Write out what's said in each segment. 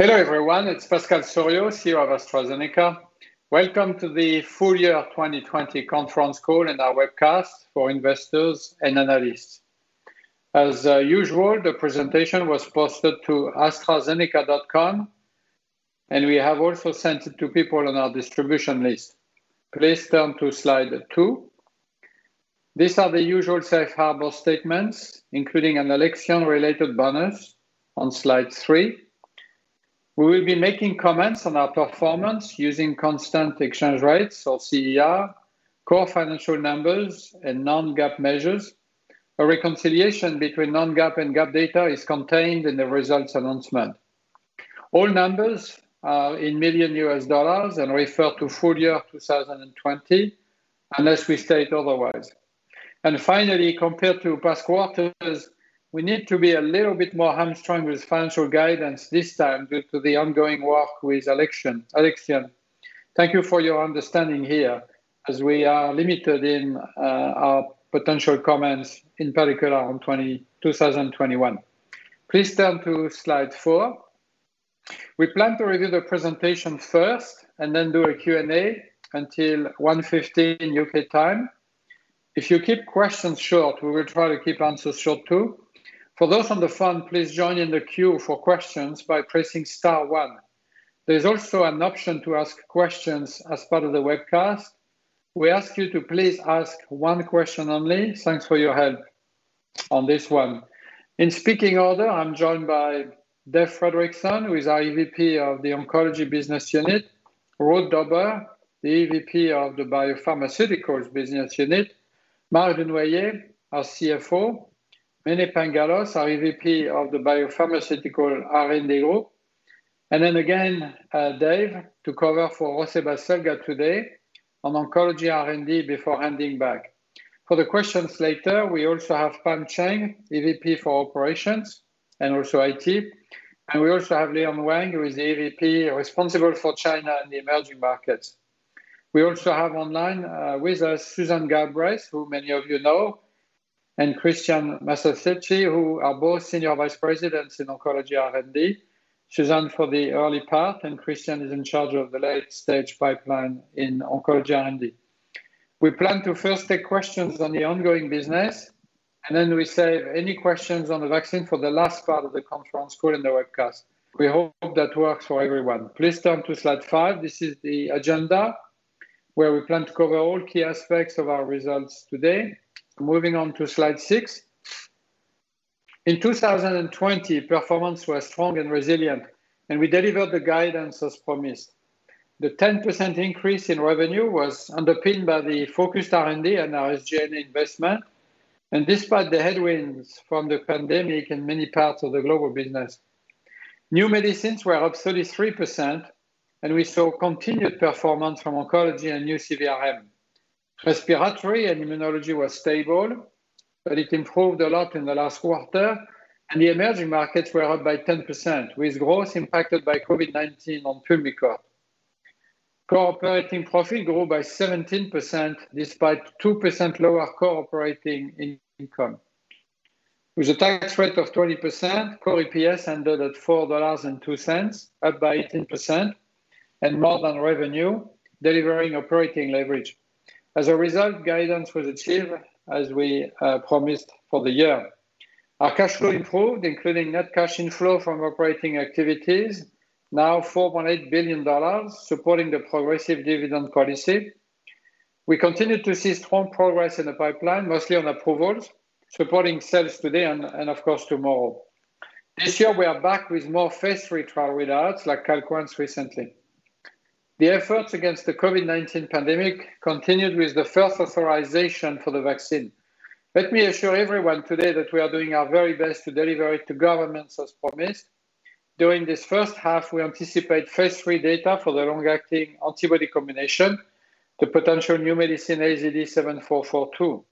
Hello, everyone. It's Pascal Soriot, CEO of AstraZeneca. Welcome to the full year 2020 conference call and our webcast for investors and analysts. As usual, the presentation was posted to astrazeneca.com, and we have also sent it to people on our distribution list. Please turn to slide two. These are the usual safe harbor statements, including an Alexion-related bonus on slide three. We will be making comments on our performance using constant exchange rates or CER, core financial numbers, and non-GAAP measures. A reconciliation between non-GAAP and GAAP data is contained in the results announcement. All numbers are in million U.S. dollars and refer to full year 2020, unless we state otherwise. Finally, compared to past quarters, we need to be a little bit more hamstrung with financial guidance this time due to the ongoing work with Alexion. Thank you for your understanding here as we are limited in our potential comments, in particular on 2021. Please turn to slide four. We plan to review the presentation first and then do a Q&A until 1:15 P.M. U.K. time. If you keep questions short, we will try to keep answers short, too. For those on the phone, please join in the queue for questions by pressing star one. There's also an option to ask questions as part of the webcast. We ask you to please ask one question only. Thanks for your help on this one. In speaking order, I'm joined by Dave Fredrickson, who is our EVP of the Oncology Business Unit; Ruud Dobber, the EVP of the BioPharmaceuticals Business Unit; Marc Dunoyer, our CFO; Mene Pangalos, our EVP of the BioPharmaceutical R&D Group; and then again, Dave to cover for José Baselga today on Oncology R&D before handing back. For the questions later, we also have Pam Cheng, EVP for Operations, and also IT. We also have Leon Wang, who is the EVP responsible for China and the emerging markets. We also have online with us Susan Galbraith, who many of you know, and Cristian Massacesi, who are both Senior Vice Presidents in Oncology R&D. Susan for the early path, Cristian is in charge of the late-stage pipeline in Oncology R&D. We plan to first take questions on the ongoing business, and then we save any questions on the vaccine for the last part of the conference call and the webcast. We hope that works for everyone. Please turn to slide five. This is the agenda, where we plan to cover all key aspects of our results today. Moving on to slide six. In 2020, performance was strong and resilient, and we delivered the guidance as promised. The 10% increase in revenue was underpinned by the focused R&D and our SG&A investment, and despite the headwinds from the pandemic in many parts of the global business. New medicines were up 33%, and we saw continued performance from Oncology and new CVRM. Respiratory and Immunology was stable, but it improved a lot in the last quarter. The emerging markets were up by 10%, with growth impacted by COVID-19 on Pulmicort. Operating profit grew by 17% despite 2% lower operating income. With a tax rate of 20%, core EPS ended at $4.02, up by 18% and more than revenue, delivering operating leverage. As a result, guidance was achieved as we promised for the year. Our cash flow improved, including net cash inflow from operating activities, now $4.8 billion, supporting the progressive dividend policy. We continue to see strong progress in the pipeline, mostly on approvals, supporting sales today and of course, tomorrow. This year we are back with more phase III trial readouts, like Calquence recently. The efforts against the COVID-19 pandemic continued with the first authorization for the vaccine. Let me assure everyone today that we are doing our very best to deliver it to governments as promised. During this first half, we anticipate phase III data for the long-acting antibody combination, the potential new medicine AZD7442.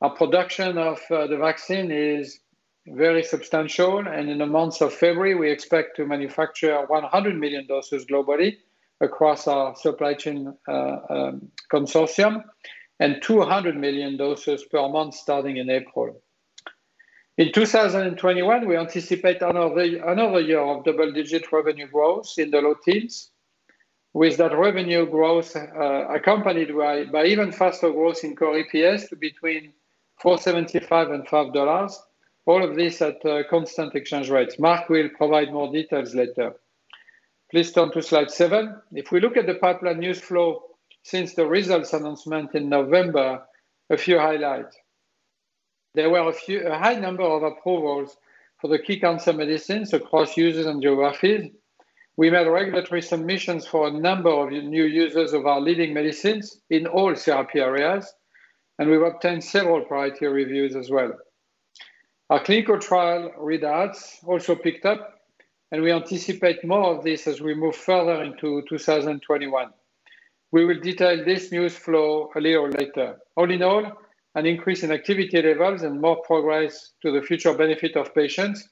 Our production of the vaccine is very substantial. In the month of February, we expect to manufacture 100 million doses globally across our supply chain consortium, and 200 million doses per month starting in April. In 2021, we anticipate another year of double-digit revenue growth in the low teens, with that revenue growth accompanied by even faster growth in core EPS to between $4.75 and $5, all of this at constant exchange rates. Marc will provide more details later. Please turn to slide seven. If we look at the pipeline news flow since the results announcement in November, a few highlights. There were a high number of approvals for the key cancer medicines across users and geographies. We made regulatory submissions for a number of new users of our leading medicines in all CRP areas. We've obtained several priority reviews as well. Our clinical trial readouts also picked up. We anticipate more of this as we move further into 2021. We will detail this news flow a little later. All in all, an increase in activity levels and more progress to the future benefit of patients.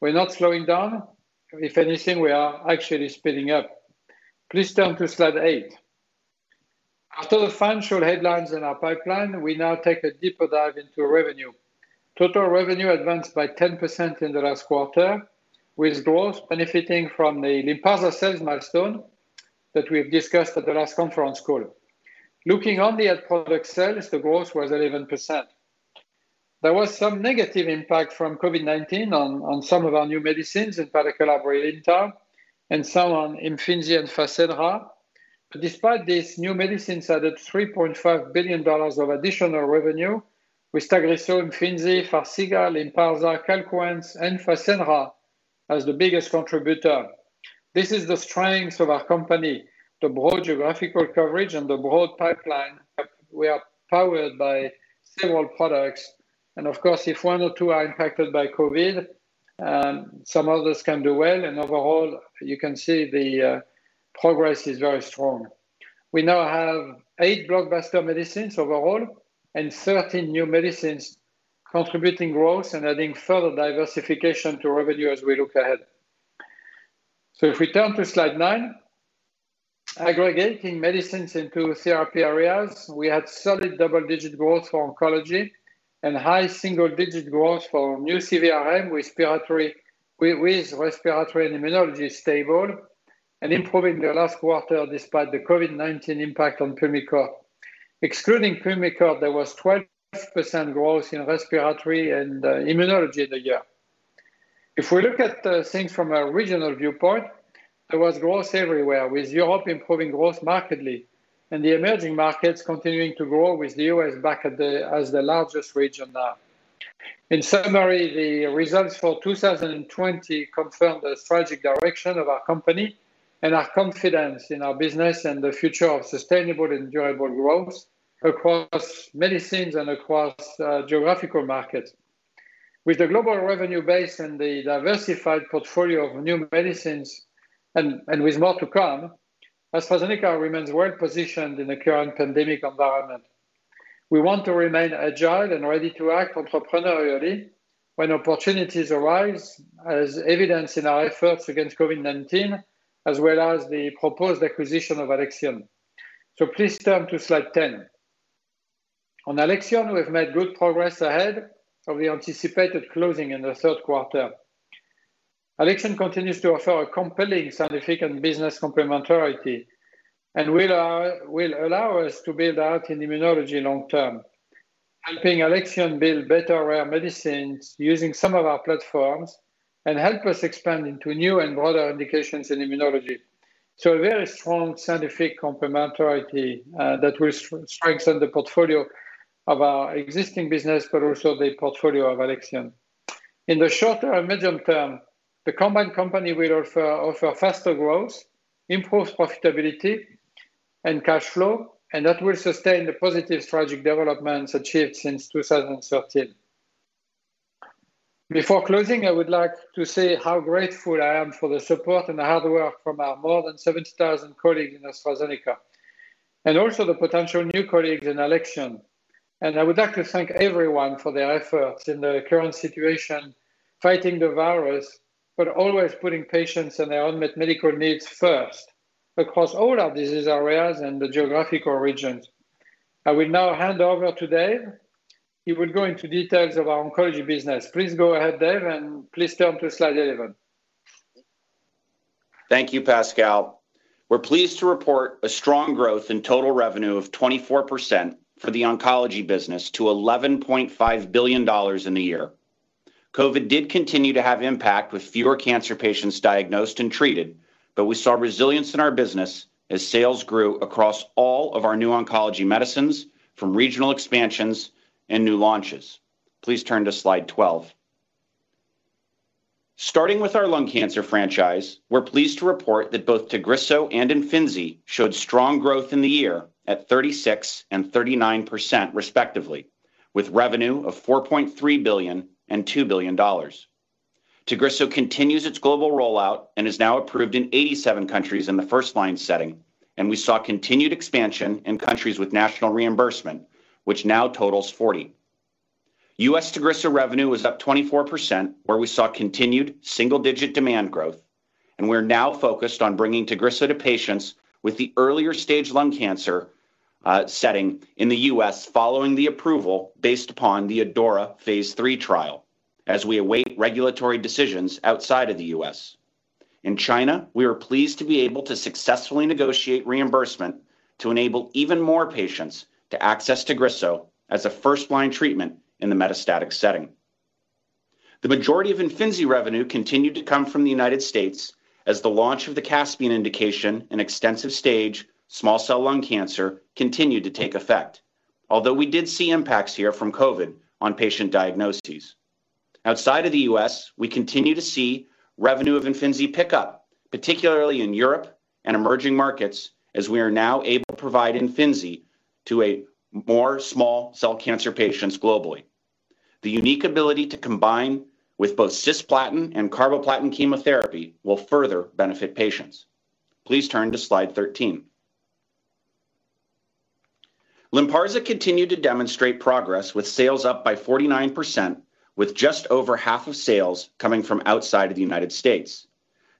We're not slowing down. If anything, we are actually speeding up. Please turn to slide eight. After the financial headlines in our pipeline, we now take a deeper dive into revenue. Total revenue advanced by 10% in the last quarter, with growth benefiting from the Lynparza sales milestone that we have discussed at the last conference call. Looking only at product sales, the growth was 11%. There was some negative impact from COVID-19 on some of our new medicines, in particular Brilinta, and some on Imfinzi and Farxiga. Despite this, new medicines added $3.5 billion of additional revenue, with Tagrisso, Imfinzi, Farxiga, Lynparza, Calquence, and Farxiga as the biggest contributor. This is the strength of our company, the broad geographical coverage and the broad pipeline. We are powered by several products. Of course, if one or two are impacted by COVID, some others can do well, and overall, you can see the progress is very strong. We now have eight blockbuster medicines overall, and 13 new medicines contributing growth and adding further diversification to revenue as we look ahead. If we turn to slide nine, aggregating medicines into therapy areas, we had solid double-digit growth for oncology, and high single-digit growth for new CVRM with respiratory and immunology stable, and improving in the last quarter despite the COVID-19 impact on Pulmicort. Excluding Pulmicort, there was 12% growth in respiratory and immunology in the year. If we look at things from a regional viewpoint, there was growth everywhere, with Europe improving growth markedly, and the emerging markets continuing to grow with the U.S. back as the largest region now. In summary, the results for 2020 confirm the strategic direction of our company, and our confidence in our business and the future of sustainable, enjoyable growth across medicines and across geographical markets. With the global revenue base and the diversified portfolio of new medicines, and with more to come, AstraZeneca remains well-positioned in the current pandemic environment. We want to remain agile and ready to act entrepreneurially when opportunities arise, as evidenced in our efforts against COVID-19, as well as the proposed acquisition of Alexion. Please turn to slide 10. On Alexion, we've made good progress ahead of the anticipated closing in the 3rd quarter. Alexion continues to offer a compelling scientific and business complementarity, and will allow us to build out in immunology long term, helping Alexion build better rare medicines using some of our platforms, and help us expand into new and broader indications in immunology. A very strong scientific complementarity that will strengthen the portfolio of our existing business, but also the portfolio of Alexion. In the short or medium term, the combined company will offer faster growth, improved profitability, and cash flow. That will sustain the positive strategic developments achieved since 2013. Before closing, I would like to say how grateful I am for the support and the hard work from our more than 70,000 colleagues in AstraZeneca, also the potential new colleagues in Alexion. I would like to thank everyone for their efforts in the current situation, fighting the virus, always putting patients and their unmet medical needs first across all our disease areas and the geographical regions. I will now hand over to Dave. He will go into details of our oncology business. Please go ahead, Dave, please turn to slide 11. Thank you, Pascal. We're pleased to report a strong growth in total revenue of 24% for the oncology business to $11.5 billion in the year. COVID did continue to have impact with fewer cancer patients diagnosed and treated, but we saw resilience in our business as sales grew across all of our new oncology medicines from regional expansions and new launches. Please turn to slide 12. Starting with our lung cancer franchise, we're pleased to report that both Tagrisso and Imfinzi showed strong growth in the year at 36% and 39% respectively, with revenue of $4.3 billion and $2 billion. Tagrisso continues its global rollout, and is now approved in 87 countries in the first-line setting, and we saw continued expansion in countries with national reimbursement, which now totals 40. U.S. Tagrisso revenue was up 24%, where we saw continued single-digit demand growth, and we're now focused on bringing Tagrisso to patients with the earlier stage lung cancer setting in the U.S. following the approval based upon the ADAURA phase III trial, as we await regulatory decisions outside of the U.S. In China, we are pleased to be able to successfully negotiate reimbursement to enable even more patients to access Tagrisso as a first-line treatment in the metastatic setting. The majority of IMFINZI revenue continued to come from the United States as the launch of the CASPIAN indication in extensive stage small cell lung cancer continued to take effect, although we did see impacts here from COVID on patient diagnoses. Outside of the U.S., we continue to see revenue of Imfinzi pick up, particularly in Europe and emerging markets, as we are now able to provide Imfinzi to a more small cell cancer patients globally. The unique ability to combine with both cisplatin and carboplatin chemotherapy will further benefit patients. Please turn to slide 13. Lynparza continued to demonstrate progress with sales up by 49% with just over half of sales coming from outside of the U.S.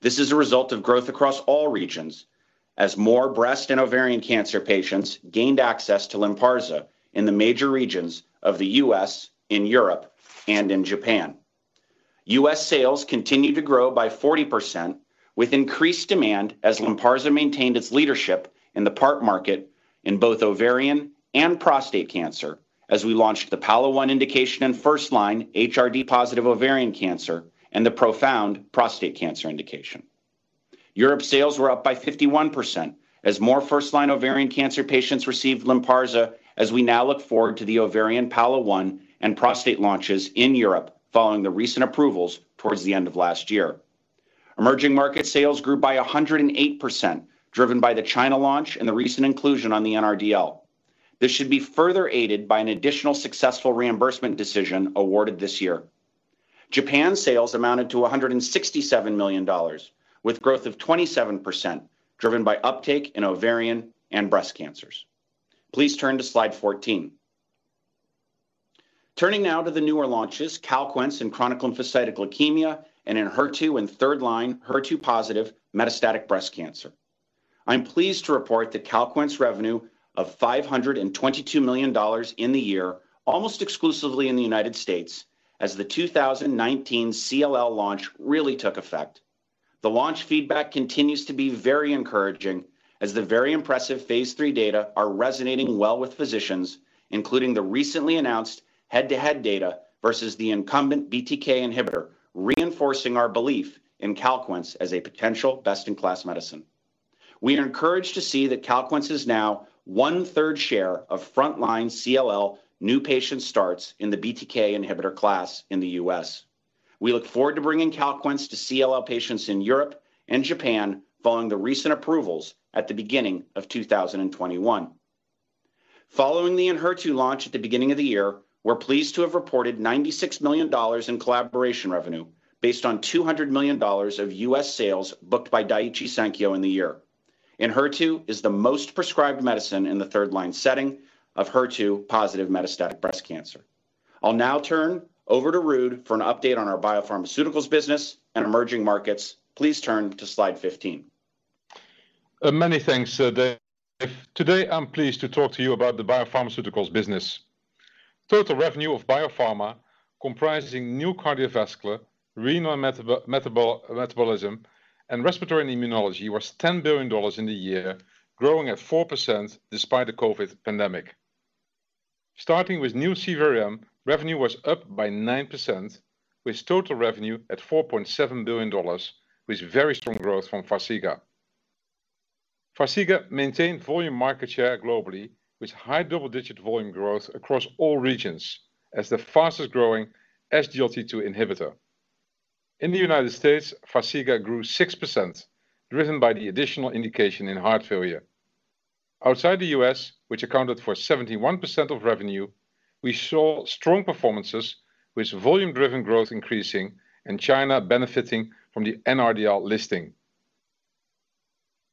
This is a result of growth across all regions as more breast and ovarian cancer patients gained access to Lynparza in the major regions of the U.S., in Europe, and in Japan. U.S. sales continued to grow by 40% with increased demand as Lynparza maintained its leadership in the PARP market in both ovarian and prostate cancer as we launched the PAOLA-1 indication in first line HRD positive ovarian cancer and the PROfound prostate cancer indication. Europe sales were up by 51% as more first-line ovarian cancer patients received Lynparza as we now look forward to the ovarian PAOLA-1 and prostate launches in Europe following the recent approvals towards the end of last year. Emerging market sales grew by 108%, driven by the China launch and the recent inclusion on the NRDL. This should be further aided by an additional successful reimbursement decision awarded this year. Japan sales amounted to $167 million with growth of 27% driven by uptake in ovarian and breast cancers. Please turn to slide 14. Turning now to the newer launches, Calquence in chronic lymphocytic leukemia and in HER2 and 3rd line HER2-positive metastatic breast cancer. I'm pleased to report that Calquence revenue of $522 million in the year almost exclusively in the U.S. as the 2019 CLL launch really took effect. The launch feedback continues to be very encouraging as the very impressive phase III data are resonating well with physicians, including the recently announced head-to-head data versus the incumbent BTK inhibitor, reinforcing our belief in Calquence as a potential best-in-class medicine. We are encouraged to see that Calquence is now 1/3 share of frontline CLL new patient starts in the BTK inhibitor class in the U.S. We look forward to bringing Calquence to CLL patients in Europe and Japan following the recent approvals at the beginning of 2021. Following the ENHERTU launch at the beginning of the year, we're pleased to have reported $96 million in collaboration revenue based on $200 million of U.S. sales booked by Daiichi Sankyo in the year. ENHERTU is the most prescribed medicine in the third-line setting of HER2-positive metastatic breast cancer. I'll now turn over to Ruud for an update on our BioPharmaceuticals business and emerging markets. Please turn to slide 15. Many thanks, Dave. Today, I'm pleased to talk to you about the biopharmaceuticals business. Total revenue of biopharma, comprising new cardiovascular, renal metabolism, and respiratory and immunology, was $10 billion in the year, growing at 4% despite the COVID pandemic. Starting with new CVRM, revenue was up by 9%, with total revenue at $4.7 billion, with very strong growth from Farxiga. Farxiga maintained volume market share globally with high double-digit volume growth across all regions as the fastest-growing SGLT2 inhibitor. In the U.S., Farxiga grew 6%, driven by the additional indication in heart failure. Outside the U.S., which accounted for 71% of revenue, we saw strong performances with volume-driven growth increasing and China benefiting from the NRDL listing.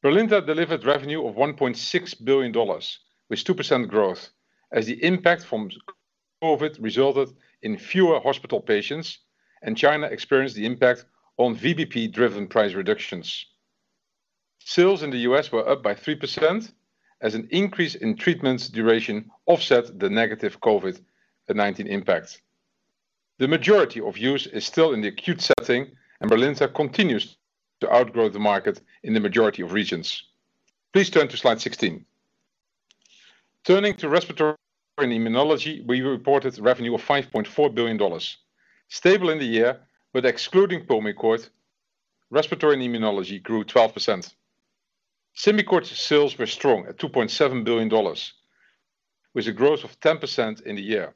BRILINTA delivered revenue of $1.6 billion with 2% growth as the impact from COVID resulted in fewer hospital patients and China experienced the impact on VBP-driven price reductions. Sales in the U.S. were up by 3% as an increase in treatments duration offset the negative COVID-19 impact. The majority of use is still in the acute setting, BRILINTA continues to outgrow the market in the majority of regions. Please turn to slide 16. Turning to respiratory and immunology, we reported revenue of $5.4 billion. Stable in the year, excluding Pulmicort, respiratory and immunology grew 12%. Symbicort sales were strong at $2.7 billion, with a growth of 10% in the year.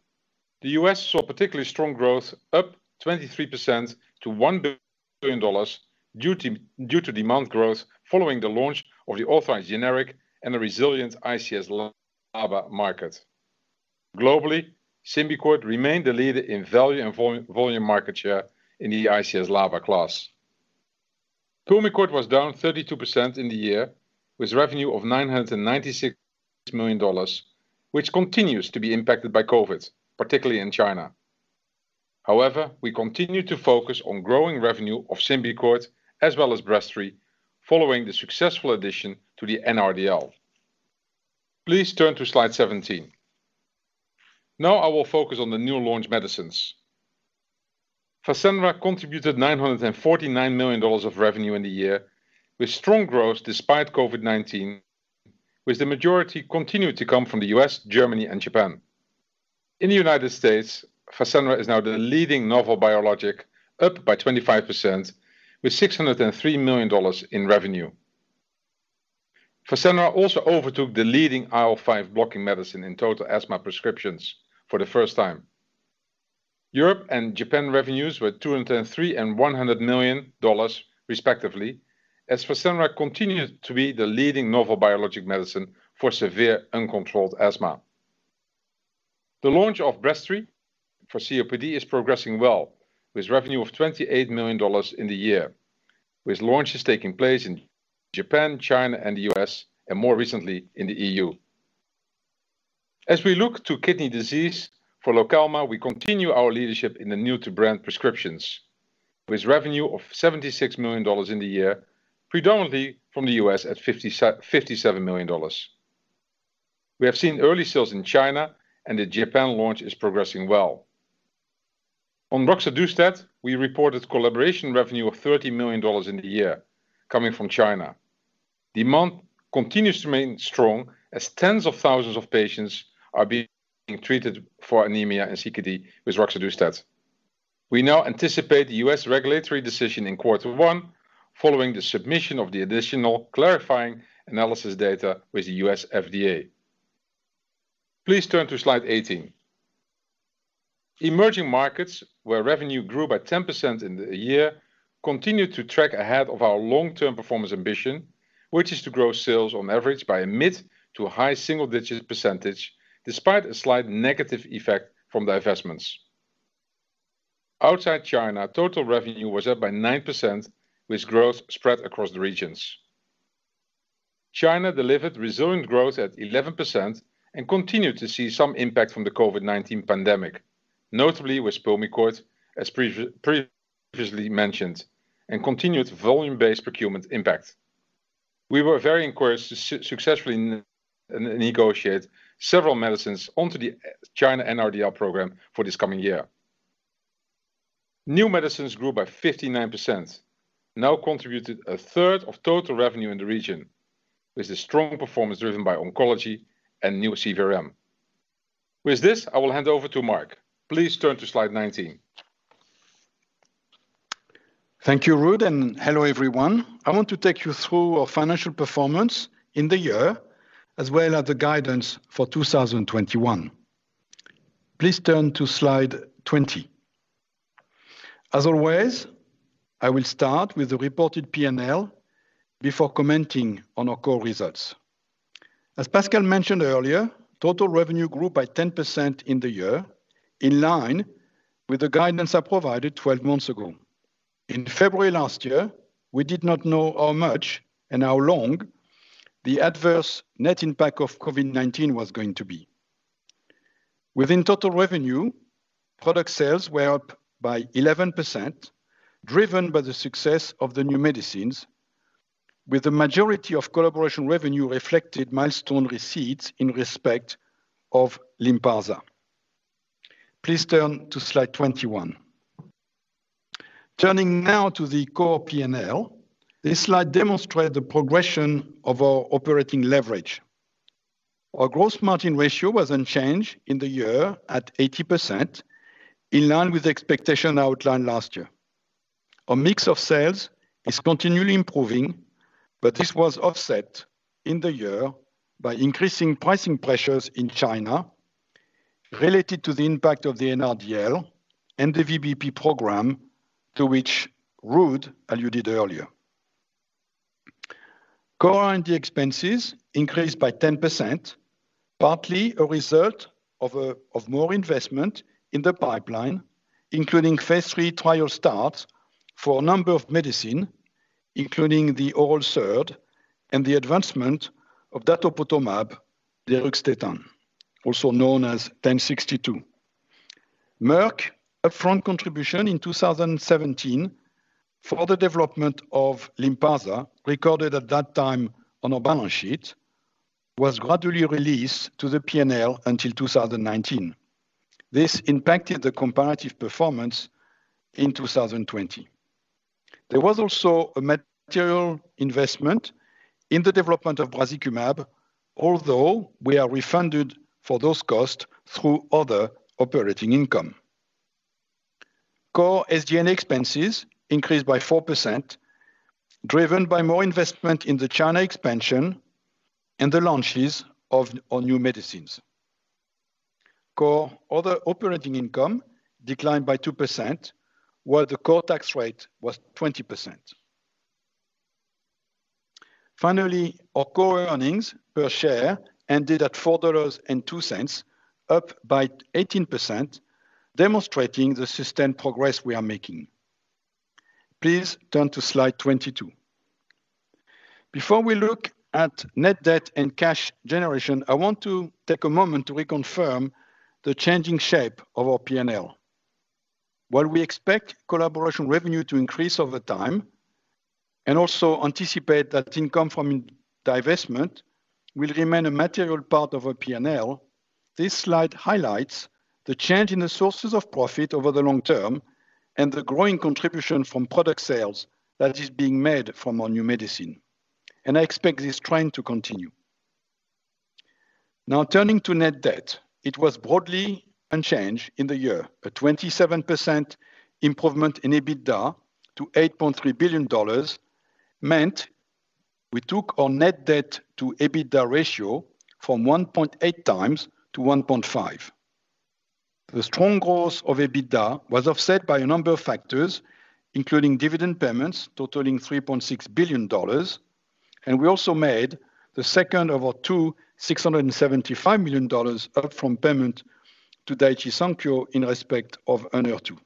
The U.S. saw particularly strong growth up 23% to $1 billion due to demand growth following the launch of the authorized generic and the resilient ICS LABA market. Globally, Symbicort remained the leader in value and volume market share in the ICS LABA class. Pulmicort was down 32% in the year with revenue of $996 million, which continues to be impacted by COVID, particularly in China. We continue to focus on growing revenue of Symbicort as well as Breztri following the successful addition to the NRDL. Please turn to slide 17. I will focus on the new launch medicines. Fasenra contributed $949 million of revenue in the year, with strong growth despite COVID-19, with the majority continuing to come from the U.S., Germany, and Japan. In the U.S., Fasenra is now the leading novel biologic up by 25% with $603 million in revenue. Fasenra also overtook the leading IL-5 blocking medicine in total asthma prescriptions for the first time. Europe and Japan revenues were $203 million and $100 million respectively as Fasenra continued to be the leading novel biologic medicine for severe uncontrolled asthma. The launch of Breztri for COPD is progressing well with revenue of $28 million in the year, with launches taking place in Japan, China, and the U.S., and more recently in the E.U.. As we look to kidney disease for Lokelma, we continue our leadership in the new-to-brand prescriptions with revenue of $76 million in the year, predominantly from the U.S. at $57 million. We have seen early sales in China, and the Japan launch is progressing well. On roxadustat, we reported collaboration revenue of $30 million in the year coming from China. Demand continues to remain strong as tens of thousands of patients are being treated for anemia and CKD with roxadustat. We now anticipate the U.S. regulatory decision in quarter 1, following the submission of the additional clarifying analysis data with the U.S. FDA. Please turn to slide 18. Emerging markets, where revenue grew by 10% in the year, continue to track ahead of our long-term performance ambition, which is to grow sales on average by a mid- to high single-digit percentage, despite a slight negative effect from divestments. Outside China, total revenue was up by 9%, with growth spread across the regions. China delivered resilient growth at 11% and continued to see some impact from the COVID-19 pandemic, notably with Pulmicort, as previously mentioned, and continued volume-based procurement impact. We were very encouraged to successfully negotiate several medicines onto the China NRDL program for this coming year. New medicines grew by 59%, now contributed 1/3 of total revenue in the region. This is strong performance driven by oncology and new CVRM. With this, I will hand over to Marc. Please turn to slide 19. Thank you, Ruud, and hello, everyone. I want to take you through our financial performance in the year as well as the guidance for 2021. Please turn to slide 20. As always, I will start with the reported P&L before commenting on our core results. As Pascal mentioned earlier, total revenue grew by 10% in the year, in line with the guidance I provided 12 months ago. In February last year, we did not know how much and how long the adverse net impact of COVID-19 was going to be. Within total revenue, product sales were up by 11%, driven by the success of the new medicines, with the majority of collaboration revenue reflected milestone receipts in respect of Lynparza. Please turn to slide 21. Turning now to the core P&L, this slide demonstrate the progression of our operating leverage. Our gross margin ratio was unchanged in the year at 80%, in line with the expectation outlined last year. This was offset in the year by increasing pricing pressures in China related to the impact of the NRDL and the VBP program to which Ruud alluded earlier. Core R&D expenses increased by 10%, partly a result of more investment in the pipeline, including phase III trial start for a number of medicine, including the oral SERD and the advancement of datopotamab deruxtecan, also known as 1062. Merck upfront contribution in 2017 for the development of Lynparza, recorded at that time on our balance sheet, was gradually released to the P&L until 2019. This impacted the comparative performance in 2020. There was also a material investment in the development of brazikumab, although we are refunded for those costs through other operating income. Core SG&A expenses increased by 4%, driven by more investment in the China expansion and the launches of our new medicines. Core other operating income declined by 2%, while the core tax rate was 20%. Finally, our core earnings per share ended at $4.02, up by 18%, demonstrating the sustained progress we are making. Please turn to slide 22. Before we look at net debt and cash generation, I want to take a moment to reconfirm the changing shape of our P&L. While we expect collaboration revenue to increase over time, also anticipate that income from divestment will remain a material part of our P&L, this slide highlights the change in the sources of profit over the long term and the growing contribution from product sales that is being made from our new medicine. I expect this trend to continue. Now turning to net debt, it was broadly unchanged in the year. A 27% improvement in EBITDA to $8.3 billion meant we took our net debt to EBITDA ratio from 1.8x to 1.5. The strong growth of EBITDA was offset by a number of factors, including dividend payments totaling $3.6 billion. We also made the second of our two $675 million upfront payment to Daiichi Sankyo in respect of ENHERTU.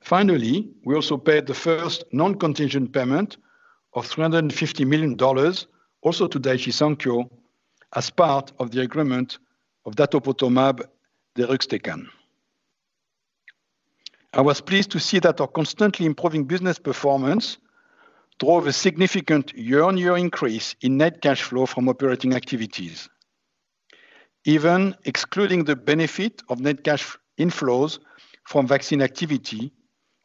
Finally, we also paid the first non-contingent payment of $350 million also to Daiichi Sankyo as part of the agreement of datopotamab deruxtecan. I was pleased to see that our constantly improving business performance drove a significant year-on-year increase in net cash flow from operating activities. Even excluding the benefit of net cash inflows from vaccine activity,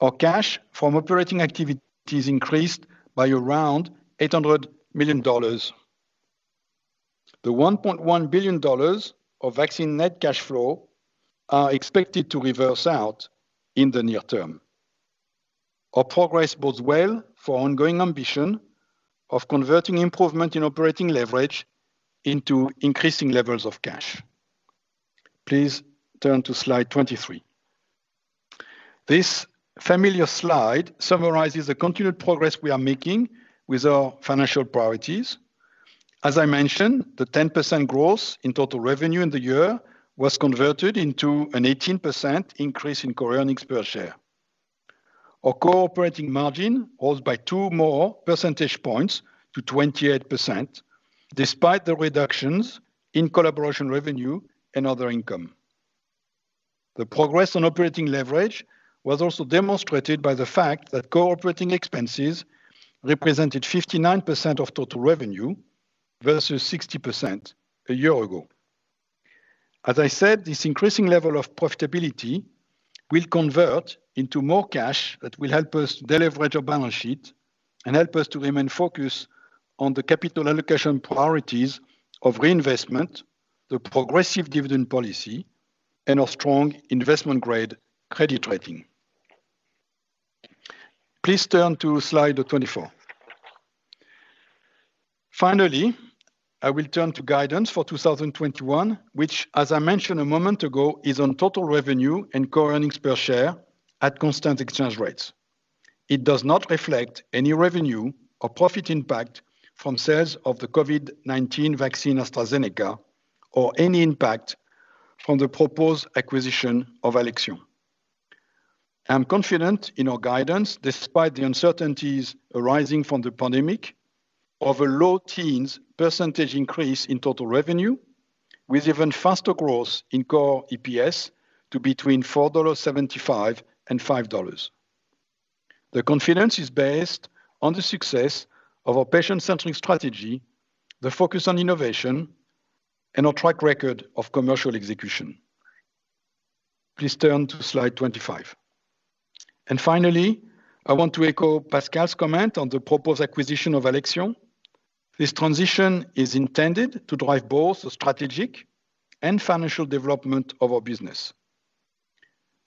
our cash from operating activities increased by around $800 million. The $1.1 billion of vaccine net cash flow are expected to reverse out in the near term. Our progress bodes well for ongoing ambition of converting improvement in operating leverage into increasing levels of cash. Please turn to slide 23. This familiar slide summarizes the continued progress we are making with our financial priorities. As I mentioned, the 10% growth in total revenue in the year was converted into an 18% increase in core earnings per share. Our core operating margin rose by two more percentage points to 28%, despite the reductions in collaboration revenue and other income. The progress on operating leverage was also demonstrated by the fact that core operating expenses represented 59% of total revenue versus 60% a year ago. As I said, this increasing level of profitability will convert into more cash that will help us deleverage our balance sheet and help us to remain focused on the capital allocation priorities of reinvestment, the progressive dividend policy, and our strong investment-grade credit rating. Please turn to slide 24. Finally, I will turn to guidance for 2021, which, as I mentioned a moment ago, is on total revenue and core earnings per share at constant exchange rates. It does not reflect any revenue or profit impact from sales of the COVID-19 vaccine AstraZeneca or any impact from the proposed acquisition of Alexion. I am confident in our guidance, despite the uncertainties arising from the pandemic, of a low-teens percentage increase in total revenue, with even faster growth in core EPS to between $4.75 and $5.00. The confidence is based on the success of our patient-centering strategy, the focus on innovation, and our track record of commercial execution. Please turn to slide 25. Finally, I want to echo Pascal's comment on the proposed acquisition of Alexion. This transition is intended to drive both the strategic and financial development of our business.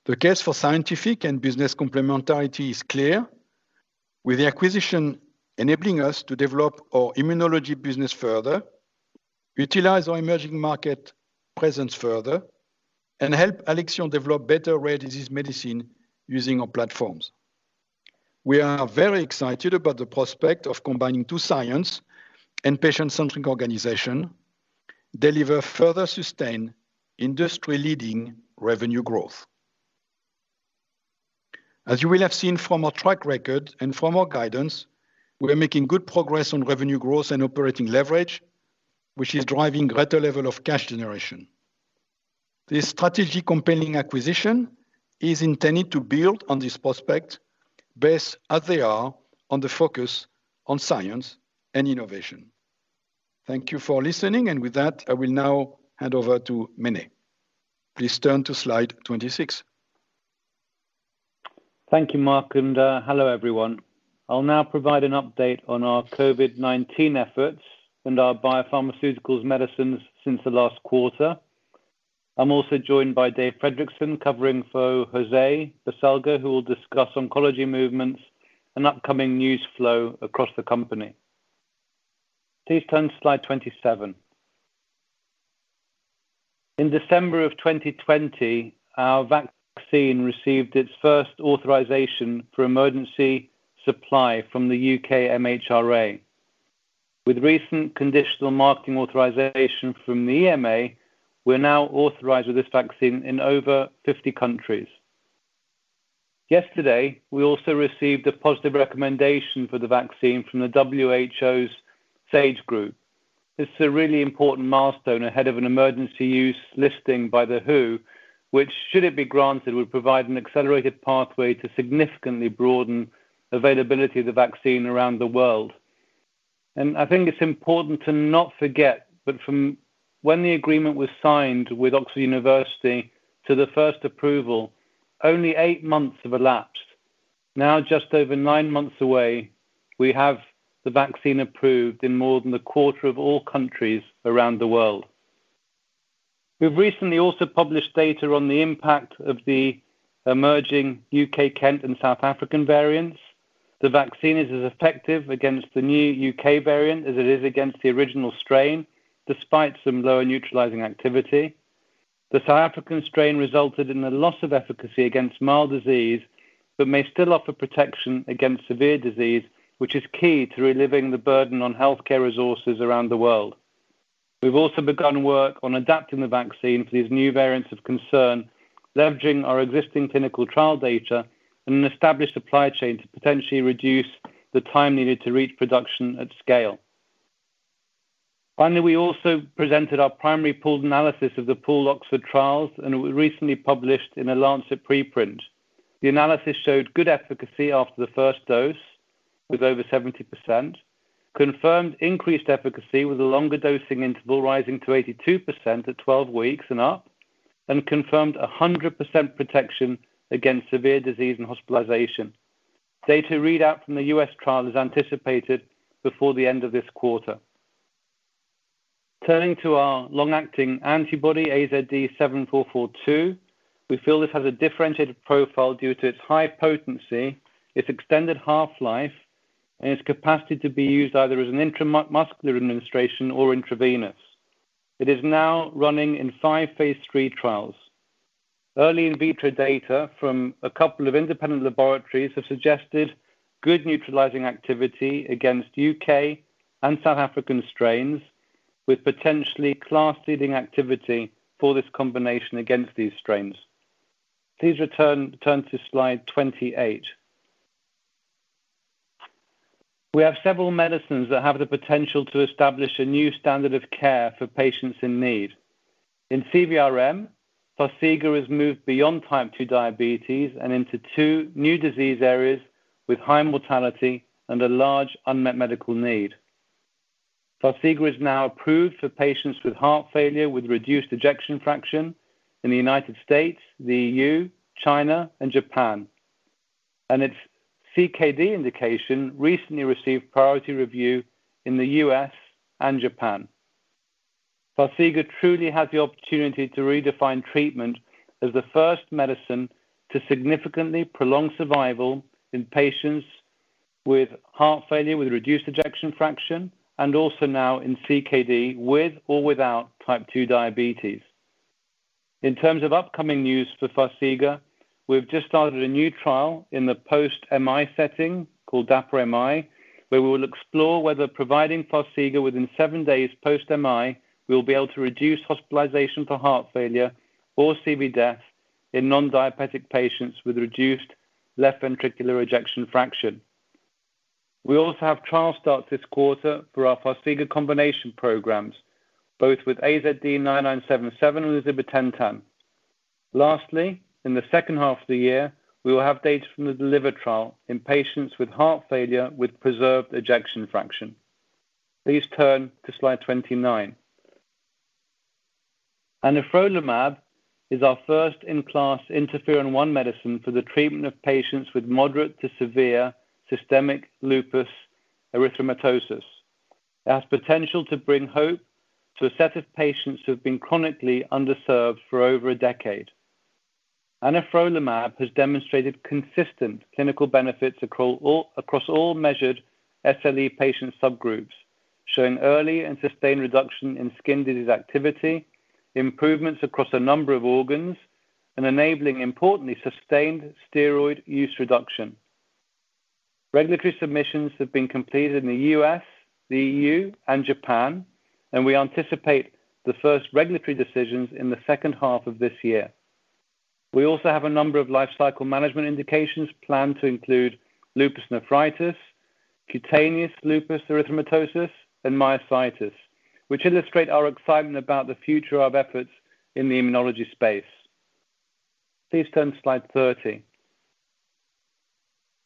The case for scientific and business complementarity is clear, with the acquisition enabling us to develop our immunology business further, utilize our emerging market presence further, and help Alexion develop better rare disease medicine using our platforms. We are very excited about the prospect of combining two science and patient-centering organization, deliver further sustain industry-leading revenue growth. As you will have seen from our track record and from our guidance, we are making good progress on revenue growth and operating leverage, which is driving greater level of cash generation. This strategic compelling acquisition is intended to build on this prospect based as they are on the focus on science and innovation. Thank you for listening. With that, I will now hand over to Mene. Please turn to slide 26. Thank you, Marc, and hello, everyone. I'll now provide an update on our COVID-19 efforts and our biopharmaceuticals medicines since the last quarter. I'm also joined by Dave Fredrickson, covering for José Baselga, who will discuss oncology movements and upcoming news flow across the company. Please turn to slide 27. In December of 2020, our vaccine received its first authorization for emergency supply from the U.K. MHRA. With recent conditional marketing authorization from the EMA, we're now authorized with this vaccine in over 50 countries. Yesterday, we also received a positive recommendation for the vaccine from the WHO's SAGE group. This is a really important milestone ahead of an emergency use listing by the WHO, which, should it be granted, would provide an accelerated pathway to significantly broaden availability of the vaccine around the world. I think it's important to not forget that from when the agreement was signed with Oxford University to the first approval, only eight months have elapsed. Now, just over nine months away, we have the vaccine approved in more than a quarter of all countries around the world. We've recently also published data on the impact of the emerging U.K., Kent, and South African variants. The vaccine is as effective against the new U.K. variant as it is against the original strain, despite some lower neutralizing activity. The South African strain resulted in a loss of efficacy against mild disease, but may still offer protection against severe disease, which is key to relieving the burden on healthcare resources around the world. We've also begun work on adapting the vaccine for these new variants of concern, leveraging our existing clinical trial data and an established supply chain to potentially reduce the time needed to reach production at scale. Finally, we also presented our primary pooled analysis of the pooled Oxford trials, and it was recently published in The Lancet preprint. The analysis showed good efficacy after the first dose, with over 70%, confirmed increased efficacy with a longer dosing interval rising to 82% at 12 weeks and up, and confirmed 100% protection against severe disease and hospitalization. Data readout from the U.S. trial is anticipated before the end of this quarter. Turning to our long-acting antibody, AZD7442, we feel this has a differentiated profile due to its high potency, its extended half-life, and its capacity to be used either as an intramuscular administration or intravenous. It is now running in five phase III trials. Early in vitro data from a couple of independent laboratories have suggested good neutralizing activity against U.K. and South African strains, with potentially class-leading activity for this combination against these strains. Please turn to slide 28. We have several medicines that have the potential to establish a new standard of care for patients in need. In CVRM, Farxiga has moved beyond type 2 diabetes and into two new disease areas with high mortality and a large unmet medical need. Farxiga is now approved for patients with heart failure with reduced ejection fraction in the U.S., the E.U., China, and Japan. Its CKD indication recently received priority review in the U.S. and Japan. Farxiga truly has the opportunity to redefine treatment as the first medicine to significantly prolong survival in patients with heart failure with reduced ejection fraction, and also now in CKD with or without type 2 diabetes. In terms of upcoming news for Farxiga, we've just started a new trial in the post-MI setting called DAPA-MI, where we will explore whether providing Farxiga within seven days post-MI will be able to reduce hospitalization for heart failure or CV death in non-diabetic patients with reduced left ventricular ejection fraction. We also have trial starts this quarter for our Farxiga combination programs, both with AZD9977 and zibotentan. Lastly, in the second half of the year, we will have data from the DELIVER trial in patients with heart failure with preserved ejection fraction. Please turn to slide 29. Anifrolumab is our first-in-class interferon 1 medicine for the treatment of patients with moderate to severe systemic lupus erythematosus. It has potential to bring hope to a set of patients who have been chronically underserved for over a decade. Anifrolumab has demonstrated consistent clinical benefits across all measured SLE patient subgroups, showing early and sustained reduction in skin disease activity, improvements across a number of organs, and enabling importantly sustained steroid use reduction. Regulatory submissions have been completed in the U.S., the E.U., and Japan. We anticipate the first regulatory decisions in the second half of this year. We also have a number of life cycle management indications planned to include lupus nephritis, cutaneous lupus erythematosus, and myositis, which illustrate our excitement about the future of efforts in the immunology space. Please turn to slide 30.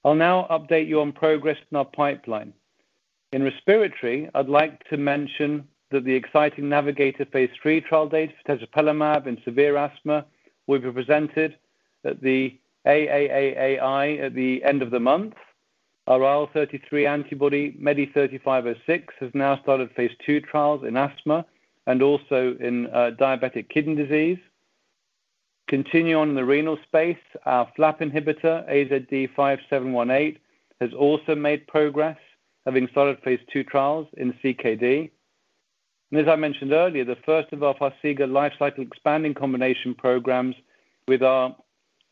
I'll now update you on progress in our pipeline. In respiratory, I'd like to mention that the exciting NAVIGATOR phase III trial date for tezepelumab in severe asthma will be presented at the AAAAI at the end of the month. Our IL-33 antibody, MEDI3506, has now started phase II trials in asthma and also in diabetic kidney disease. Continue on in the renal space, our FLAP inhibitor, AZD5718, has also made progress, having started phase II trials in CKD. As I mentioned earlier, the first of our Farxiga life cycle expanding combination programs with our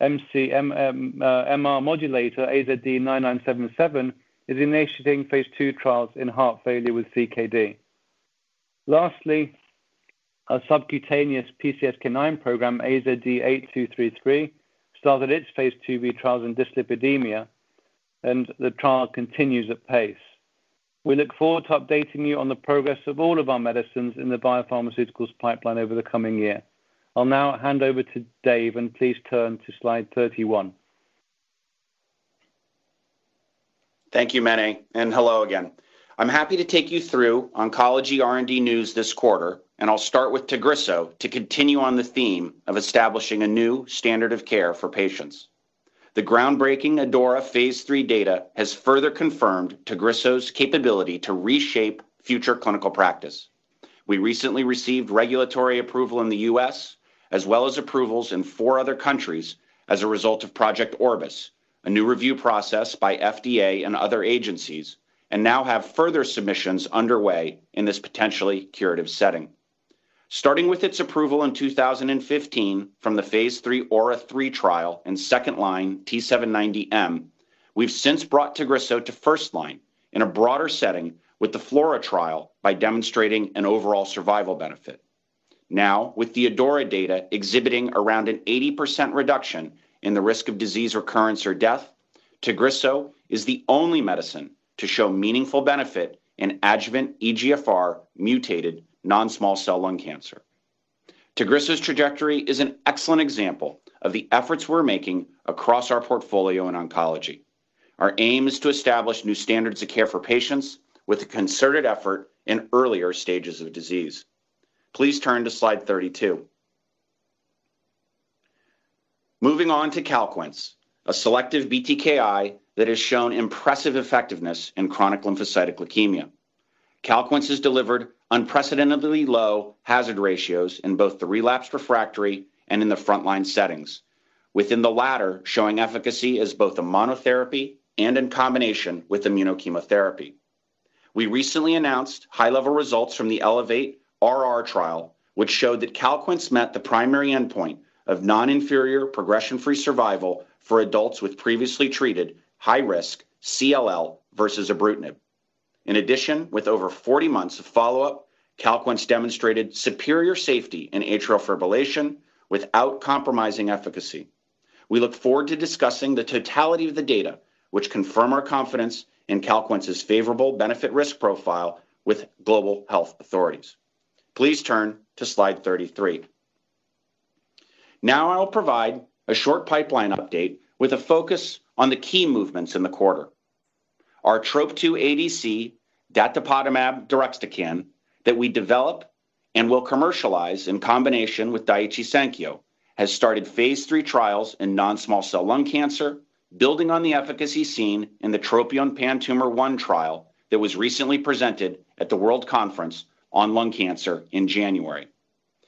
MR modulator, AZD9977, is initiating phase II trials in heart failure with CKD. Lastly, our subcutaneous PCSK9 program, AZD8233, started its phase II-B trials in dyslipidemia, and the trial continues at pace. We look forward to updating you on the progress of all of our medicines in the biopharmaceuticals pipeline over the coming year. I'll now hand over to Dave, please turn to slide 31. Thank you, Mene, and hello again. I'm happy to take you through oncology R&D news this quarter, and I'll start with Tagrisso to continue on the theme of establishing a new standard of care for patients. The groundbreaking ADAURA phase III data has further confirmed Tagrisso's capability to reshape future clinical practice. We recently received regulatory approval in the U.S., as well as approvals in four other countries as a result of Project Orbis, a new review process by FDA and other agencies, and now have further submissions underway in this potentially curative setting. Starting with its approval in 2015 from the phase III AURA3 trial and second-line T790M, we've since brought Tagrisso to first line in a broader setting with the FLAURA trial by demonstrating an overall survival benefit. With the ADAURA data exhibiting around an 80% reduction in the risk of disease, recurrence, or death, Tagrisso is the only medicine to show meaningful benefit in adjuvant EGFR mutated non-small cell lung cancer. Tagrisso's trajectory is an excellent example of the efforts we're making across our portfolio in oncology. Our aim is to establish new standards of care for patients with a concerted effort in earlier stages of disease. Please turn to slide 32. Moving on to Calquence, a selective BTKI that has shown impressive effectiveness in chronic lymphocytic leukemia. Calquence has delivered unprecedentedly low hazard ratios in both the relapsed refractory and in the frontline settings. Within the latter, showing efficacy as both a monotherapy and in combination with immuno-chemotherapy. We recently announced high-level results from the ELEVATE-RR trial, which showed that Calquence met the primary endpoint of non-inferior progression-free survival for adults with previously treated high-risk CLL versus ibrutinib. In addition, with over 40 months of follow-up, Calquence demonstrated superior safety in atrial fibrillation without compromising efficacy. We look forward to discussing the totality of the data, which confirm our confidence in Calquence's favorable benefit risk profile with global health authorities. Please turn to slide 33. Now I'll provide a short pipeline update with a focus on the key movements in the quarter. Our TROP2 ADC datopotamab deruxtecan that we develop and will commercialize in combination with Daiichi Sankyo has started phase III trials in non-small cell lung cancer, building on the efficacy seen in the TROPION-PanTumor01 trial that was recently presented at the World Conference on Lung Cancer in January.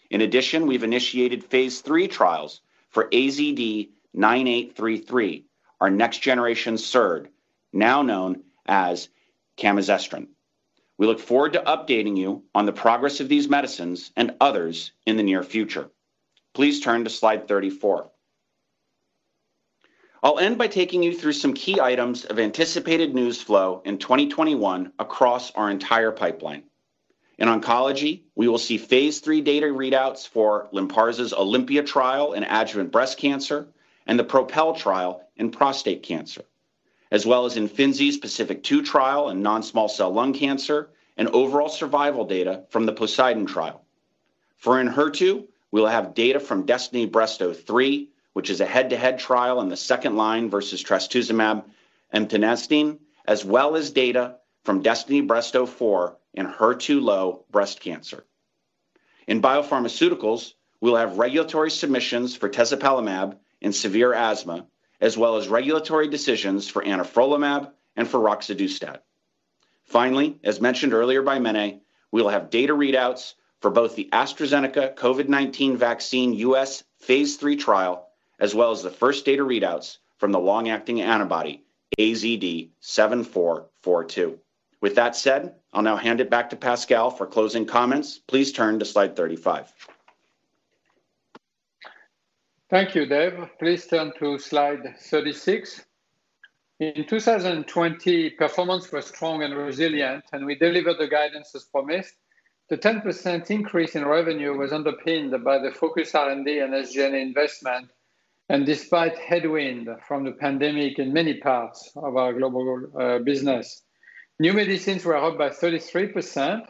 In addition, we've initiated phase III trials for AZD9833, our next generation oral SERD, now known as camizestrant. We look forward to updating you on the progress of these medicines and others in the near future. Please turn to slide 34. I'll end by taking you through some key items of anticipated news flow in 2021 across our entire pipeline. In oncology, we will see phase III data readouts for Lynparza's OlympiA trial in adjuvant breast cancer and the PROPEL trial in prostate cancer, as well as IMFINZI's PACIFIC-2 trial in non-small cell lung cancer and overall survival data from the POSEIDON trial. For Enhertu, we'll have data from DESTINY-Breast03, which is a head-to-head trial in the second line versus trastuzumab emtansine, as well as data from DESTINY-Breast04 in HER2-low breast cancer. In biopharmaceuticals, we'll have regulatory submissions for tezepelumab in severe asthma, as well as regulatory decisions for anifrolumab and for roxadustat. Finally, as mentioned earlier by Mene, we'll have data readouts for both the AstraZeneca COVID-19 vaccine U.S. phase III trial, as well as the first data readouts from the long-acting antibody AZD7442. With that said, I'll now hand it back to Pascal for closing comments. Please turn to slide 35. Thank you, Dave. Please turn to slide 36. In 2020, performance was strong and resilient, and we delivered the guidance as promised. The 10% increase in revenue was underpinned by the focused R&D and SG&A investment, and despite headwind from the pandemic in many parts of our global business. New medicines were up by 33%,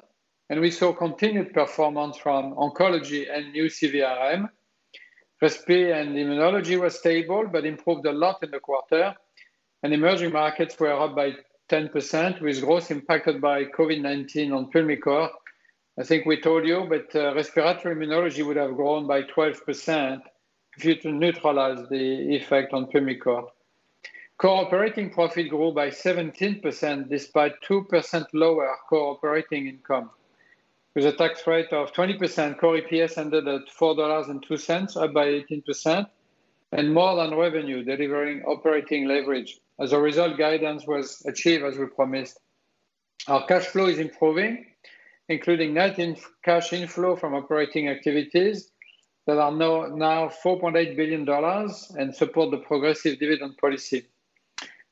and we saw continued performance from oncology and new CVRM. Respi and immunology were stable but improved a lot in the quarter, and emerging markets were up by 10% with growth impacted by COVID-19 on Pulmicort. I think we told you, but respiratory immunology would have grown by 12% if you're to neutralize the effect on Pulmicort. Core operating profit grew by 17% despite 2% lower core operating income. With a tax rate of 20%, core EPS ended at $4.02 up by 18%, and more on revenue delivering operating leverage. As a result, guidance was achieved as we promised. Our cash flow is improving, including net cash inflow from operating activities that are now $4.8 billion and support the progressive dividend policy.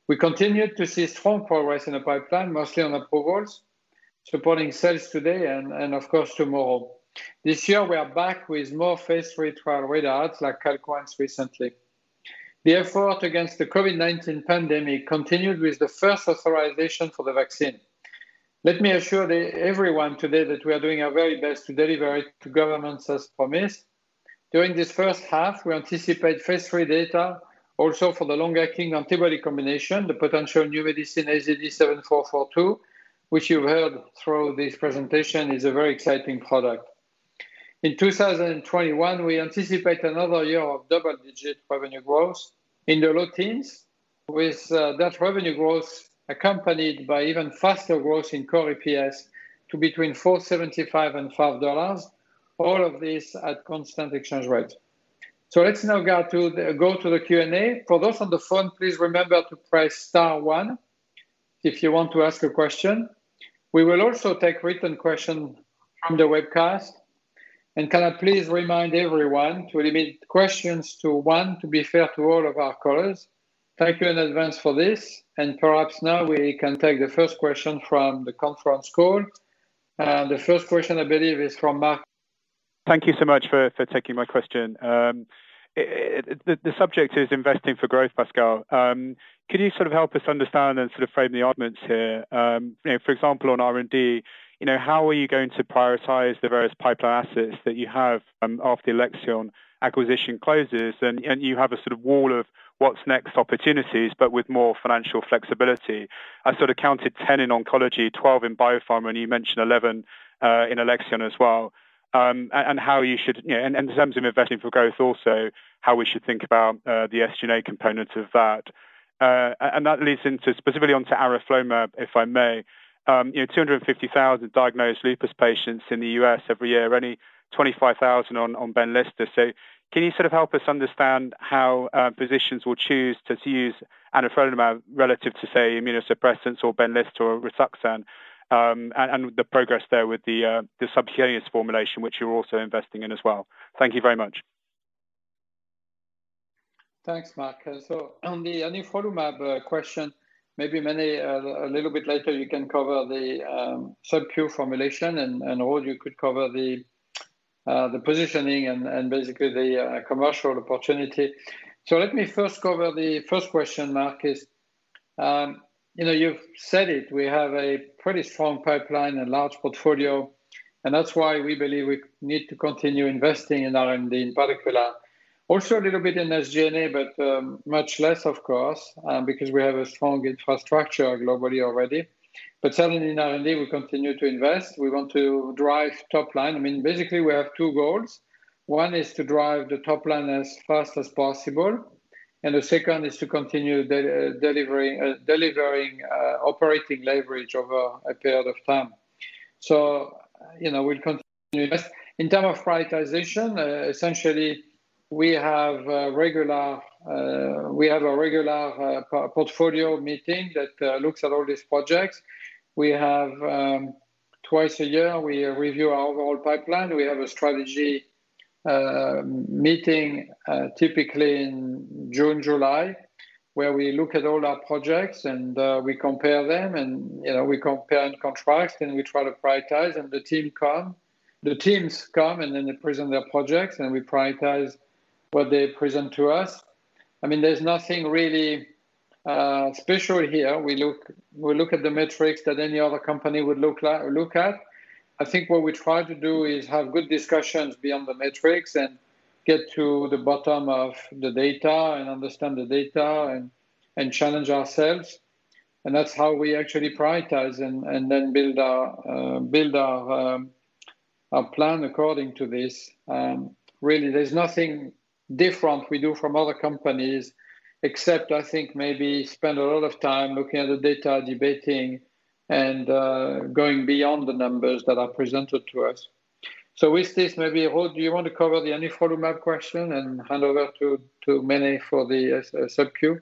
We continue to see strong progress in the pipeline, mostly on approvals, supporting sales today and of course tomorrow. This year, we are back with more phase III trial readouts like Calquence recently. The effort against the COVID-19 pandemic continued with the first authorization for the vaccine. Let me assure everyone today that we are doing our very best to deliver it to governments as promised. During this first half, we anticipate phase III data also for the long-acting antibody combination, the potential new medicine AZD7442, which you heard through this presentation is a very exciting product. In 2021, we anticipate another year of double-digit revenue growth in the low teens, with that revenue growth accompanied by even faster growth in core EPS to between 4.75 and GBP 5, all of this at constant exchange rates. Let's now go to the Q&A. For those on the phone, please remember to press star 1 if you want to ask a question. We will also take written question from the webcast. Can I please remind everyone to limit questions to 1 to be fair to all of our callers. Thank you in advance for this. Perhaps now we can take the first question from the conference call. The first question, I believe, is from Mark. Thank you so much for taking my question. The subject is investing for growth, Pascal. Could you sort of help us understand and sort of frame the arguments here? You know, for example, on R&D, you know, how are you going to prioritize the various pipeline assets that you have after Alexion acquisition closes, and you have a sort of wall of what's next opportunities but with more financial flexibility? I sort of counted 10 in oncology, 12 in biopharma, and you mentioned 11 in Alexion as well. In terms of investing for growth also, how we should think about the SG&A component of that. That leads into specifically onto anifrolumab, if I may. You know, 250,000 diagnosed lupus patients in the U.S. every year, only 25,000 on Benlysta. Can you sort of help us understand how physicians will choose to use anifrolumab relative to, say, immunosuppressants or Benlysta or Rituxan, and the progress there with the subcutaneous formulation, which you're also investing in as well? Thank you very much. Thanks, Mark. On the anifrolumab question, maybe Mene, a little bit later you can cover the subcu formulation, and Ruud, you could cover the positioning and basically the commercial opportunity. Let me first cover the first question, Mark, is, you know, you've said it. We have a pretty strong pipeline and large portfolio, and that's why we believe we need to continue investing in R&D in particular. Also, a little bit in SG&A, but much less of course, because we have a strong infrastructure globally already. Certainly in R&D we continue to invest. We want to drive top line. I mean, basically, we have two goals. One is to drive the top line as fast as possible, and the second is to continue delivering operating leverage over a period of time. You know, we'll continue to invest. In terms of prioritization, essentially we have a regular portfolio meeting that looks at all these projects. We have, twice a year we review our overall pipeline. We have a strategy meeting, typically in June, July, where we look at all our projects and we compare them, and, you know, we compare and contrast, and we try to prioritize. The teams come, and then they present their projects, and we prioritize what they present to us. I mean, there's nothing really special here. We look at the metrics that any other company would look at. I think what we try to do is have good discussions beyond the metrics and get to the bottom of the data and understand the data and challenge ourselves, and that's how we actually prioritize and then build our build our plan according to this. Really there's nothing different we do from other companies except I think maybe spend a lot of time looking at the data, debating, and going beyond the numbers that are presented to us. With this, maybe, Ruud Dobber, do you want to cover the anifrolumab question and hand over to Mene Pangalos for the subcu?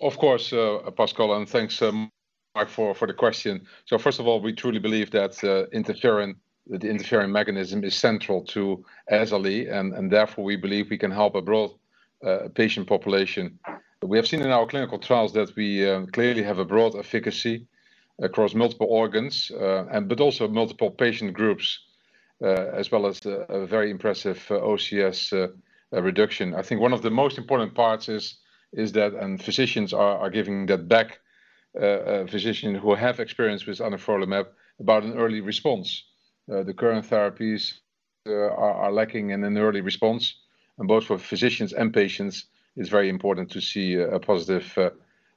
Of course, Pascal, thanks, Mark, for the question. First of all, we truly believe that interferon, the interferon mechanism is central to SLE, and therefore we believe we can help a broad patient population. We have seen in our clinical trials that we clearly have a broad efficacy across multiple organs, and but also multiple patient groups, as well as a very impressive OCS reduction. I think one of the most important parts is that physicians are giving that back, physician who have experience with anifrolumab about an early response. The current therapies are lacking in an early response, both for physicians and patients it's very important to see a positive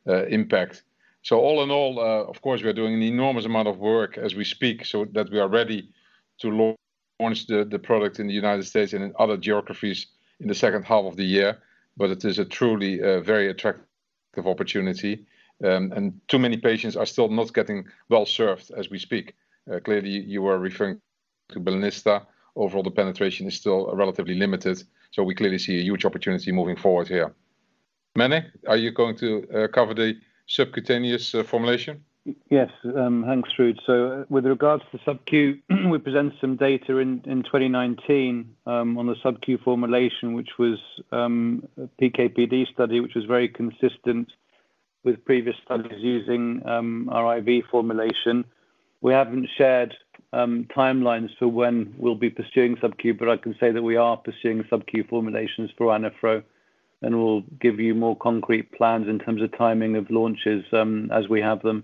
impact. All in all, of course, we are doing an enormous amount of work as we speak so that we are ready to launch the product in the United States and in other geographies in the second half of the year. It is a truly very attractive opportunity. Too many patients are still not getting well-served as we speak. Clearly you were referring to Benlysta. Overall, the penetration is still relatively limited, so we clearly see a huge opportunity moving forward here. Mene, are you going to cover the subcutaneous formulation? Yes, thanks, Ruud. With regards to subcu, we presented some data in 2019 on the subcu formulation, which was a PK/PD study, which was very consistent with previous studies using our IV formulation. We haven't shared timelines for when we'll be pursuing subcu, but I can say that we are pursuing subcu formulations for anifrolumab, and we'll give you more concrete plans in terms of timing of launches as we have them.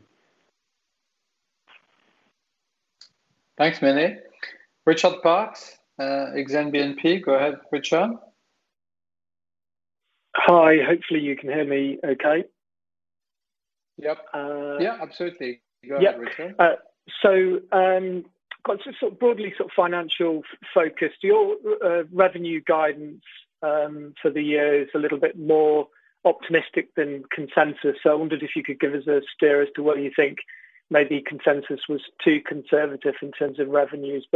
Thanks, Mene. Richard Parkes, Exane BNP. Go ahead, Richard. Hi. Hopefully you can hear me okay. Yep. Uh- Yeah, absolutely. Go ahead, Richard. Yep. Got sort of broadly sort of financial focused. Your revenue guidance for the year is a little bit more optimistic than consensus. I wondered if you could give us a steer as to why you think maybe consensus was too conservative in terms of revenues.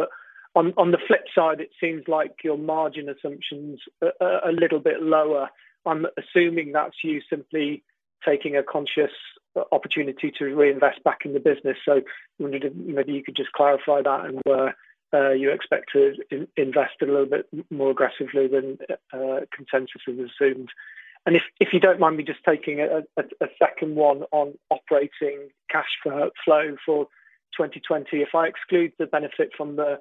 On the flip side, it seems like your margin assumption's a little bit lower. I'm assuming that's you simply taking a conscious opportunity to reinvest back in the business. I wondered if maybe you could just clarify that and where you expect to invest a little bit more aggressively when consensus has assumed. If you don't mind me just taking a second one on operating cash flow for 2020. If I exclude the benefit from the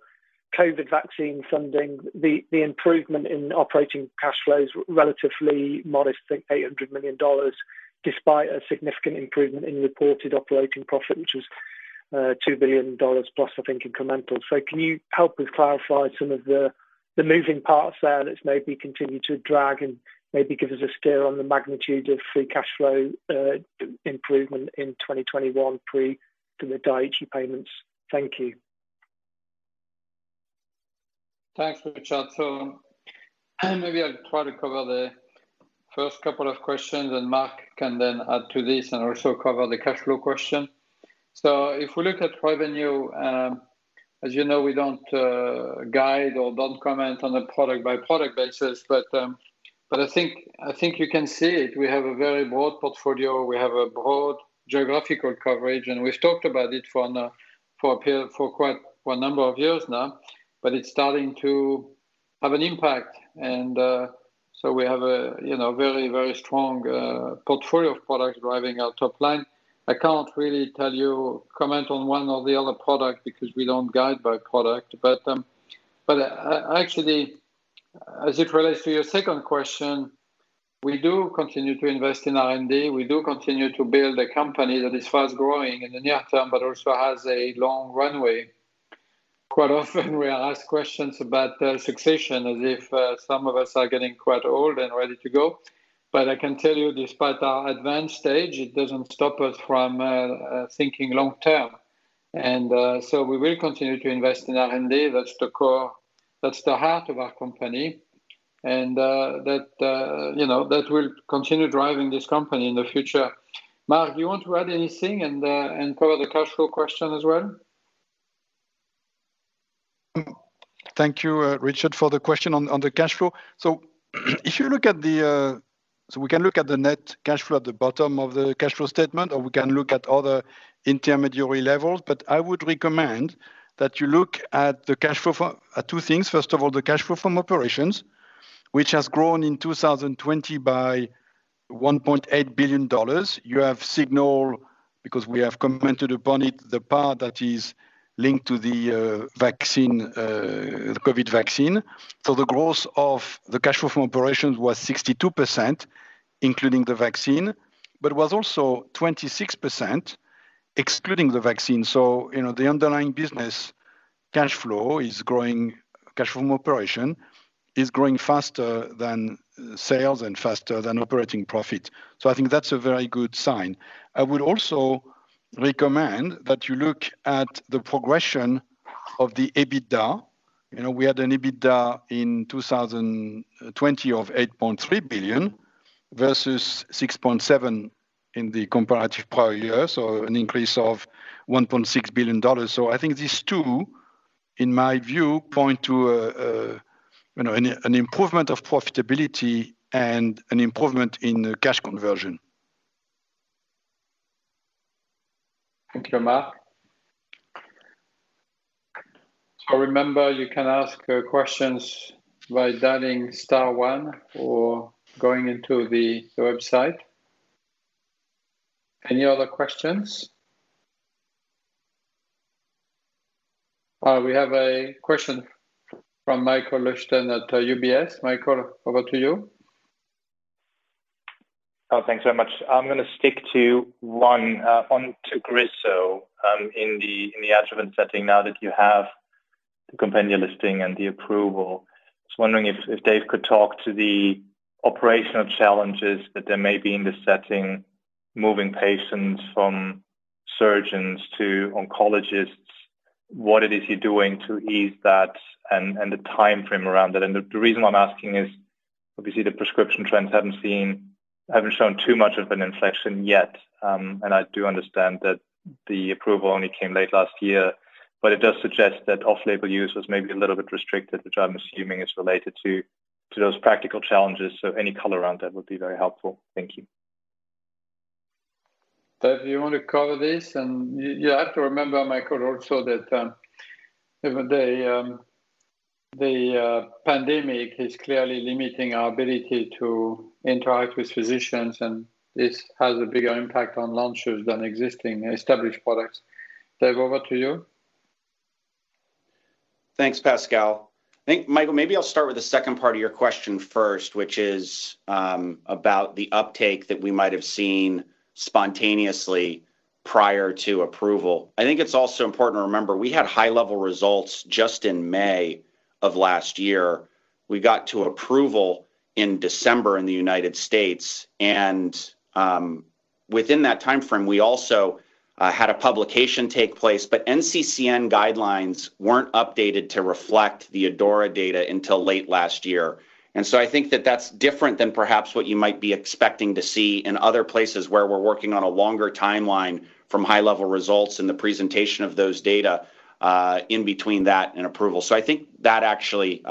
COVID vaccine funding, the improvement in operating cash flows relatively modest, I think $800 million, despite a significant improvement in reported operating profit, which was $2 billion plus, I think, incremental. Can you help us clarify some of the moving parts there that's maybe continued to drag, and maybe give us a steer on the magnitude of free cash flow improvement in 2021 pre the Daiichi payments. Thank you. Thanks, Richard. Maybe I'll try to cover the first couple of questions, and Marc can then add to this and also cover the cashflow question. If we look at revenue, as you know, we don't guide or don't comment on a product by product basis. I think you can see it. We have a very broad portfolio. We have a broad geographical coverage, and we've talked about it for quite a number of years now. It's starting to have an impact and, so we have a, you know, very strong portfolio of products driving our top line. I can't really tell you comment on one or the other product because we don't guide by product. Actually, as it relates to your second question, we do continue to invest in R&D. We do continue to build a company that is fast-growing in the near term but also has a long runway. Quite often we are asked questions about succession as if some of us are getting quite old and ready to go. I can tell you despite our advanced stage, it doesn't stop us from thinking long term. We will continue to invest in R&D. That's the core. That's the heart of our company, and that, you know, that will continue driving this company in the future. Marc, you want to add anything and cover the cashflow question as well? Thank you, Richard, for the question on the cashflow. If you look at the net cashflow at the bottom of the cashflow statement, or we can look at other intermediary levels. I would recommend that you look at the cashflow from two things. First of all, the cashflow from operations, which has grown in 2020 by $1.8 billion. You have signaled because we have commented upon it, the part that is linked to the vaccine, the COVID vaccine. The growth of the cashflow from operations was 62%, including the vaccine, but was also 26% excluding the vaccine. You know, the underlying business cashflow is growing. Cash from operation is growing faster than sales and faster than operating profit. I think that's a very good sign. I would also recommend that you look at the progression of the EBITDA. You know, we had an EBITDA in 2020 of $8.3 billion versus $6.7 billion in the comparative prior years. An increase of $1.6 billion. I think these two, in my view, point to a, you know, an improvement of profitability and an improvement in cash conversion. Thank you, Marc. Remember, you can ask questions by dialing star one or going into the website. Any other questions? We have a question from Michael Leuchten at UBS. Michael, over to you. Thanks very much. I'm gonna stick to one, onto Tagrisso, in the adjuvant setting now that you have the compendia listing and the approval. Just wondering if Dave could talk to the operational challenges that there may be in this setting, moving patients from surgeons to oncologists. What it is you're doing to ease that and the timeframe around it? The reason I'm asking is obviously the prescription trends haven't shown too much of an inflection yet. I do understand that the approval only came late last year. It does suggest that off-label use was maybe a little bit restricted, which I'm assuming is related to those practical challenges. Any color around that would be very helpful. Thank you. Dave, you want to cover this? You have to remember, Michael Leuchten, also that the pandemic is clearly limiting our ability to interact with physicians, and this has a bigger impact on launches than existing established products. Dave, over to you. Thanks, Pascal. I think, Michael, maybe I'll start with the second part of your question first, which is about the uptake that we might have seen spontaneously prior to approval. I think it's also important to remember we had high-level results just in May of last year. We got to approval in December in the U.S., within that timeframe, we also had a publication take place. NCCN guidelines weren't updated to reflect the ADAURA data until late last year. I think that that's different than perhaps what you might be expecting to see in other places where we're working on a longer timeline from high-level results in the presentation of those data in between that and approval. I think that actually,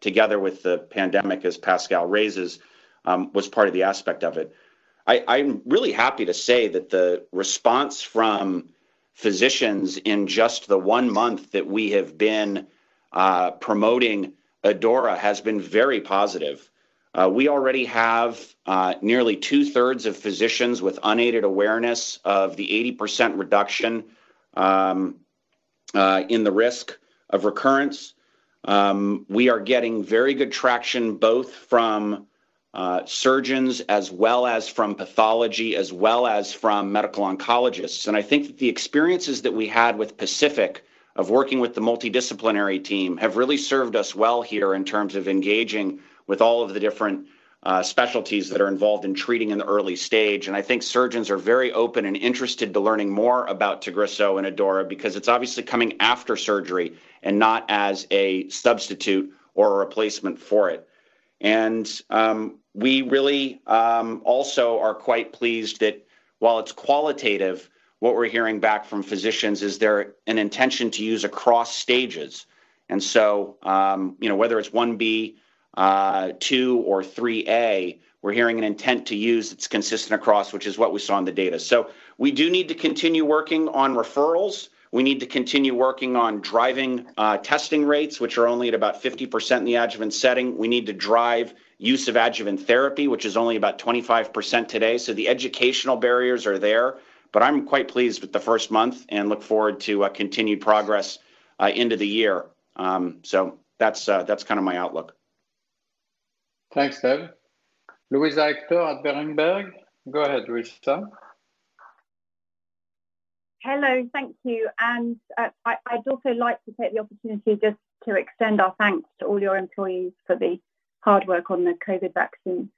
together with the pandemic, as Pascal raises, was part of the aspect of it. I'm really happy to say that the response from physicians in just the one month that we have been promoting ADAURA has been very positive. We already have nearly two-thirds of physicians with unaided awareness of the 80% reduction in the risk of recurrence. We are getting very good traction, both from surgeons as well as from pathology, as well as from medical oncologists. I think that the experiences that we had with PACIFIC of working with the multidisciplinary team have really served us well here in terms of engaging with all of the different specialties that are involved in treating in the early stage. I think surgeons are very open and interested to learning more about Tagrisso and ADAURA because it's obviously coming after surgery and not as a substitute or a replacement for it. We really also are quite pleased that while it's qualitative, what we're hearing back from physicians is there's an intention to use across stages. You know, whether it's 1B, two or 3A, we're hearing an intent to use that's consistent across, which is what we saw in the data. We do need to continue working on referrals. We need to continue working on driving testing rates, which are only at about 50% in the adjuvant setting. We need to drive use of adjuvant therapy, which is only about 25% today. The educational barriers are there. I'm quite pleased with the first month and look forward to continued progress into the year. That's that's kind of my outlook. Thanks, Dave. Luisa Hector at Berenberg. Go ahead, Luisa. Hello. Thank you. I'd also like to take the opportunity just to extend our thanks to all your employees for the hard work on the COVID vaccine.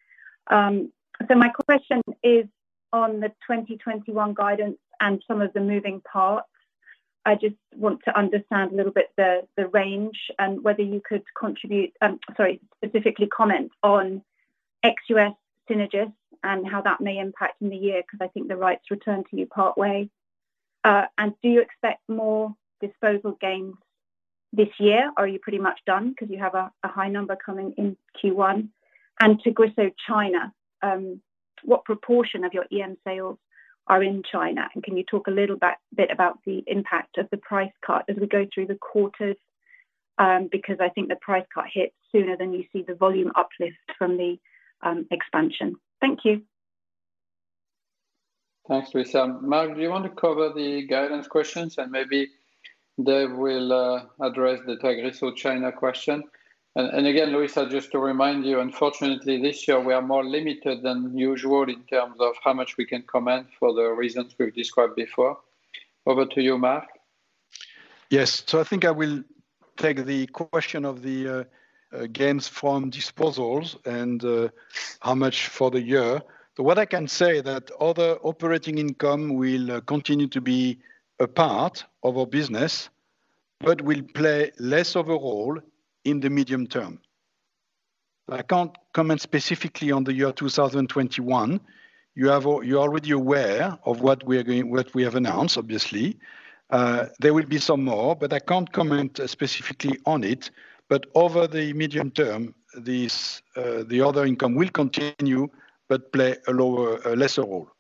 My question is on the 2021 guidance and some of the moving parts. I just want to understand a little the range and whether you could contribute, sorry, specifically comment on ex-U.S. Synagis and how that may impact in the year because I think the rights return to you partway. Do you expect more disposal gains this year, or are you pretty much done because you have a high number coming in Q1? Tagrisso China, what proportion of your EM sales are in China? Can you talk a little bit about the impact of the price cut as we go through the quarters? I think the price cut hits sooner than you see the volume uplift from the expansion. Thank you. Thanks, Luisa. Marc, do you want to cover the guidance questions, and maybe Dave will address the Tagrisso China question? Again, Luisa, just to remind you, unfortunately, this year we are more limited than usual in terms of how much we can comment for the reasons we've described before. Over to you, Marc. Yes. I think I will take the question of the gains from disposals and how much for the year. What I can say that other operating income will continue to be a part of our business but will play less of a role in the medium term. I can't comment specifically on the year 2021. You're already aware of what we are going, what we have announced, obviously. There will be some more, but I can't comment specifically on it. Over the medium term, this the other income will continue but play a lower, a lesser role.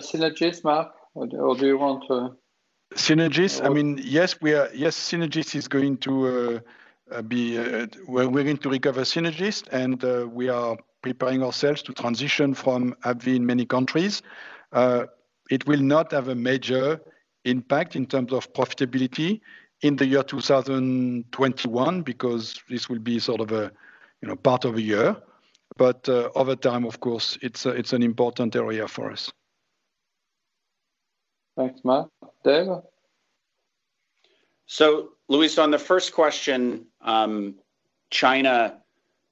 Synagis, Marc, or do you want to? Synagis. I mean, yes, we are, Synagis is going to be, we're willing to recover Synagis, and we are preparing ourselves to transition from AbbVie in many countries. It will not have a major impact in terms of profitability in the year 2021 because this will be sort of a, you know, part of a year. Over time, of course, it's an important area for us. Thanks, Marc. Dave? Luisa, on the first question, China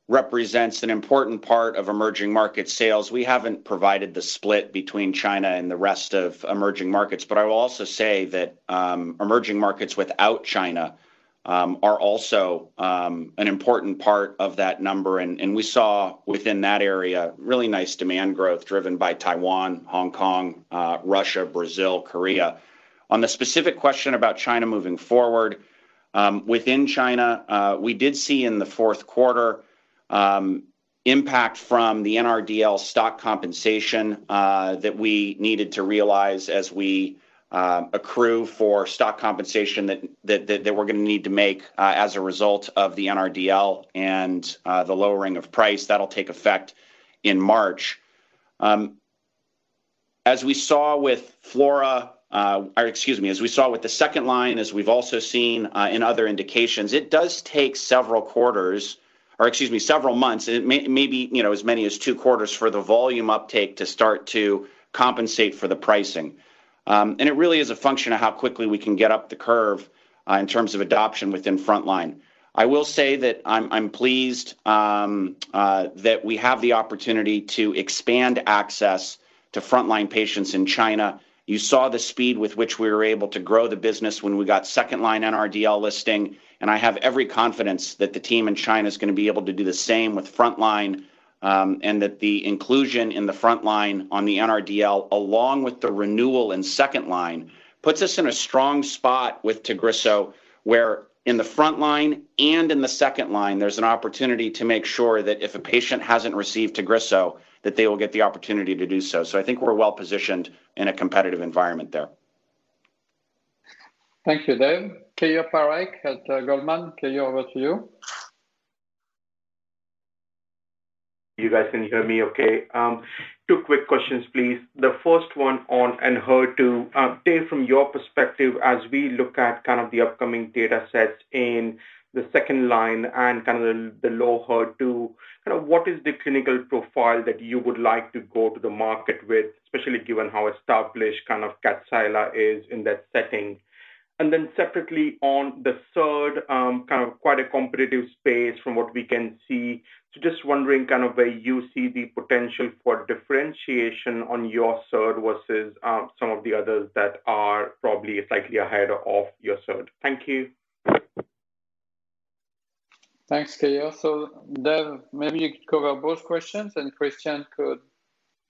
represents an important part of emerging market sales. We haven't provided the split between China and the rest of emerging markets, but I will also say that emerging markets without China are also an important part of that number. We saw within that area really nice demand growth driven by Taiwan, Hong Kong, Russia, Brazil, Korea. On the specific question about China moving forward, within China, we did see in the fourth quarter impact from the NRDL stock compensation that we needed to realize as we accrue for stock compensation that we're going to need to make as a result of the NRDL and the lowering of price. That will take effect in March. As we saw with FLAURA, or excuse me, as we saw with the second line, as we've also seen, in other indications, it does take several quarters, or excuse me, several months. Maybe, you know, as many as two quarters for the volume uptake to start to compensate for the pricing. It really is a function of how quickly we can get up the curve in terms of adoption within frontline. I will say that I'm pleased that we have the opportunity to expand access to frontline patients in China. You saw the speed with which we were able to grow the business when we got second line NRDL listing. I have every confidence that the team in China is going to be able to do the same with frontline. That the inclusion in the frontline on the NRDL, along with the renewal in second line, puts us in a strong spot with Tagrisso, where in the frontline and in the second line, there's an opportunity to make sure that if a patient hasn't received Tagrisso, that they will get the opportunity to do so. I think we're well-positioned in a competitive environment there. Thank you, Dave. Keyur Parikh at Goldman. Keyur, over to you. You guys can hear me okay. Two quick questions, please. The first one on Enhertu. Dave, from your perspective, as we look at kind of the upcoming data sets in the second line and kind of the low HER2, kind of what is the clinical profile that you would like to go to the market with, especially given how established kind of Kadcyla is in that setting? Separately on the third, kind of quite a competitive space from what we can see. Just wondering kind of where you see the potential for differentiation on your third versus some of the others that are probably slightly ahead of your third. Thank you. Thanks, Keyur. Dave, maybe you could cover both questions, and Cristian could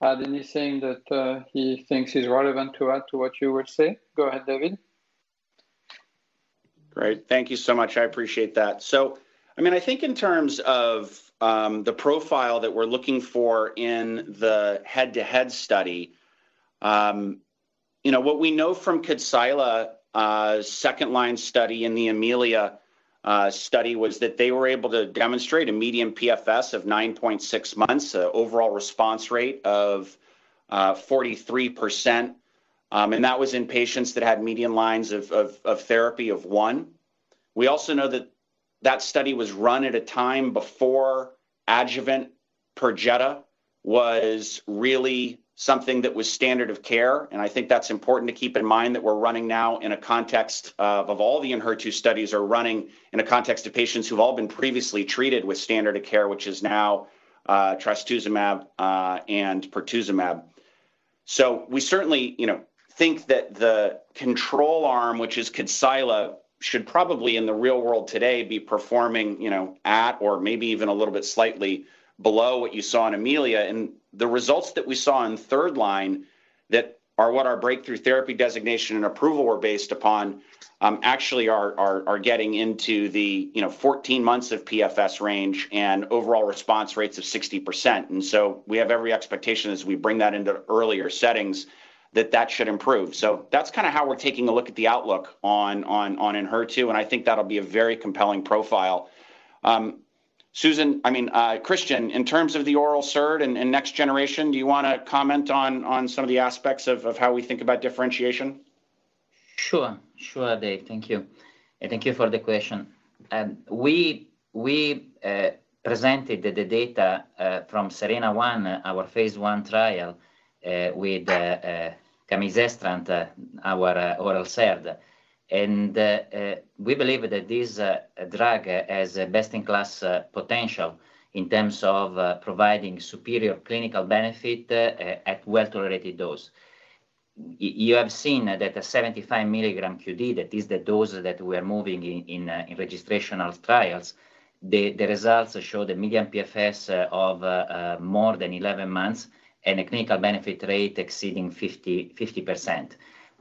add anything that he thinks is relevant to add to what you would say. Go ahead, Dave. Great. Thank you so much. I appreciate that. I think in terms of the profile that we're looking for in the head-to-head study, what we know from KADCYLA second-line study in the EMILIA study was that they were able to demonstrate a median PFS of 9.6 months, a overall response rate of 43%, and that was in patients that had median lines of therapy of one. We also know that that study was run at a time before adjuvant PERJETA was really something that was standard of care, and I think that's important to keep in mind that we're running now in a context of all the ENHERTU studies are running in a context of patients who've all been previously treated with standard of care, which is now trastuzumab and pertuzumab. We certainly, you know, think that the control arm, which is Kadcyla, should probably in the real world today be performing, you know, at or maybe even a little bit slightly below what you saw in EMILIA. The results that we saw in third line that are what our breakthrough therapy designation and approval were based upon, actually are getting into the, you know, 14 months of PFS range and overall response rates of 60%. We have every expectation as we bring that into earlier settings that that should improve. That's kinda how we're taking a look at the outlook on Enhertu, and I think that'll be a very compelling profile. Susan, I mean, Cristian, in terms of the oral SERD and next generation, do you wanna comment on some of the aspects of how we think about differentiation? Sure. Sure, Dave. Thank you. Thank you for the question. We presented the data from SERENA-1, our phase I trial, with camizestrant, our oral SERD. We believe that this drug has a best-in-class potential in terms of providing superior clinical benefit at well-tolerated dose. You have seen that the 75 mg QD, that is the dose that we are moving in registrational trials. The results show the median PFS of more than 11 months and a clinical benefit rate exceeding 50%. With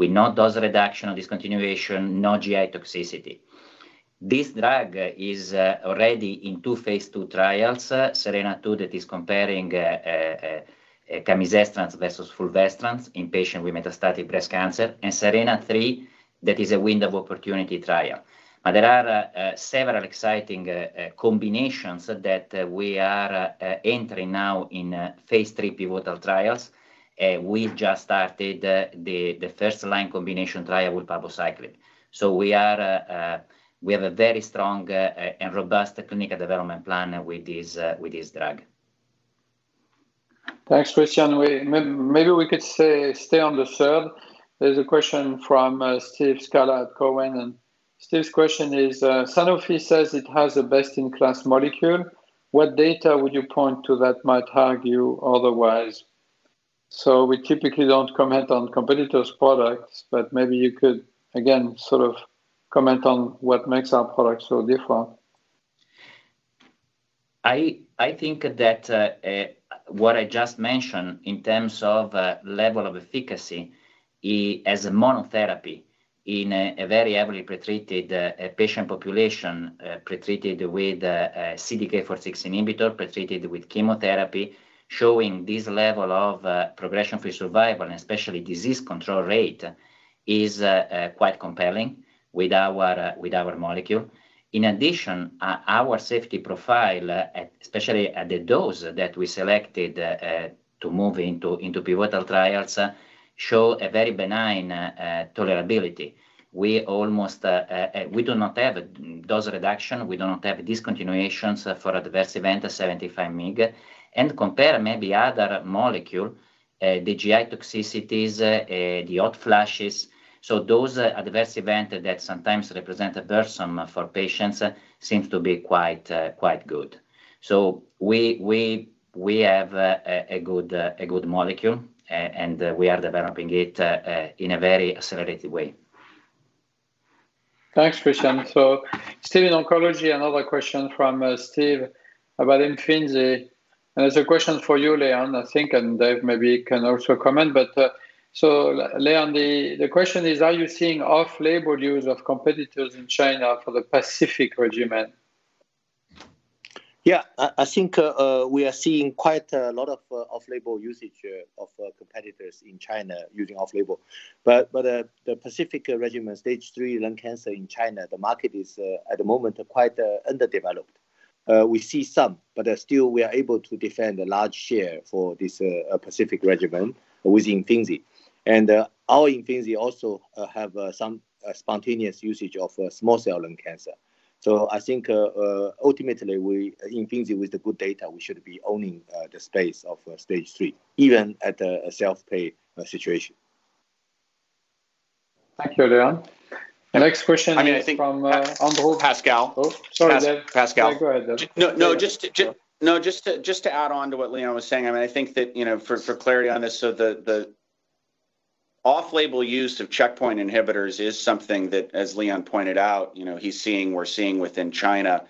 no dose reduction or discontinuation, no GI toxicity. This drug is already in two phase II trials, SERENA-2 that is comparing camizestrant versus fulvestrant in patient with metastatic breast cancer, and SERENA-3 that is a window of opportunity trial. There are several exciting combinations that we are entering now in phase III pivotal trials. We've just started the first-line combination trial with palbociclib. We are, we have a very strong and robust clinical development plan with this drug. Thanks, Cristian. Maybe we could say stay on the third. There's a question from Steve Scala at Cowen, and Steve's question is, "Sanofi says it has the best-in-class molecule. What data would you point to that might argue otherwise?" We typically don't comment on competitors' products, but maybe you could again sort of comment on what makes our product so different. I think that what I just mentioned in terms of level of efficacy as a monotherapy in a very heavily pretreated patient population pretreated with a CDK4/6 inhibitor pretreated with chemotherapy showing this level of progression-free survival and especially disease control rate is quite compelling with our molecule. In addition our safety profile at especially at the dose that we selected to move into pivotal trials show a very benign tolerability. We do not have a dose reduction. We do not have discontinuations for adverse event at 75 mg. compare maybe other molecule the GI toxicities the hot flashes. those adverse event that sometimes represent a burden for patients seems to be quite good. We have a good molecule, and we are developing it in a very accelerated way. Thanks, Cristian. Still in oncology, another question from Steve about IMFINZI. It's a question for you, Leon, I think, and Dave maybe can also comment. Leon, the question is, are you seeing off-label use of competitors in China for the PACIFIC regimen? Yeah. I think we are seeing quite a lot of off-label usage of competitors in China using off label. The PACIFIC regimen stage 3 lung cancer in China, the market is at the moment quite underdeveloped. We see some, but still we are able to defend a large share for this PACIFIC regimen with Imfinzi. Our Imfinzi also have some spontaneous usage of small cell lung cancer. I think ultimately we, Imfinzi with the good data, we should be owning the space of stage 3, even at a self-pay situation. Thank you, Leon. Next question is from. I mean, I think. Andrew- Pascal Oh, sorry, Dave. Pas-Pascal. No, go ahead, Dave. No, no, just to. Go ahead. No, just to add on to what Leon was saying, I mean, I think that, you know, for clarity on this. The off-label use of checkpoint inhibitors is something that, as Leon pointed out, you know, we're seeing within China.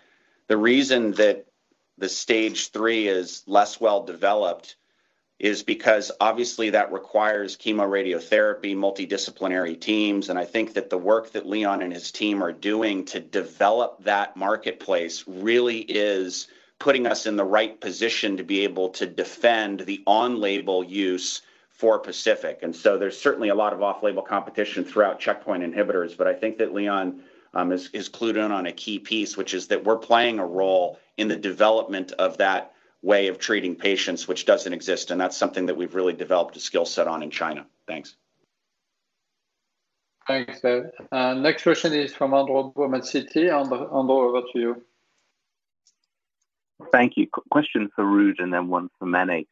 The reason that the stage 3 is less well-developed is because obviously that requires chemoradiotherapy, multidisciplinary teams, and I think that the work that Leon and his team are doing to develop that marketplace really is putting us in the right position to be able to defend the on-label use for PACIFIC. There's certainly a lot of off-label competition throughout checkpoint inhibitors, but I think that Leon is clued in on a key piece, which is that we're playing a role in the development of that way of treating patients, which doesn't exist, and that's something that we've really developed a skill set on in China. Thanks. Thanks, Dave. Next question is from Andrew Baum at Citi. Andrew, over to you. Thank you. Question for Ruud and then one for Mene.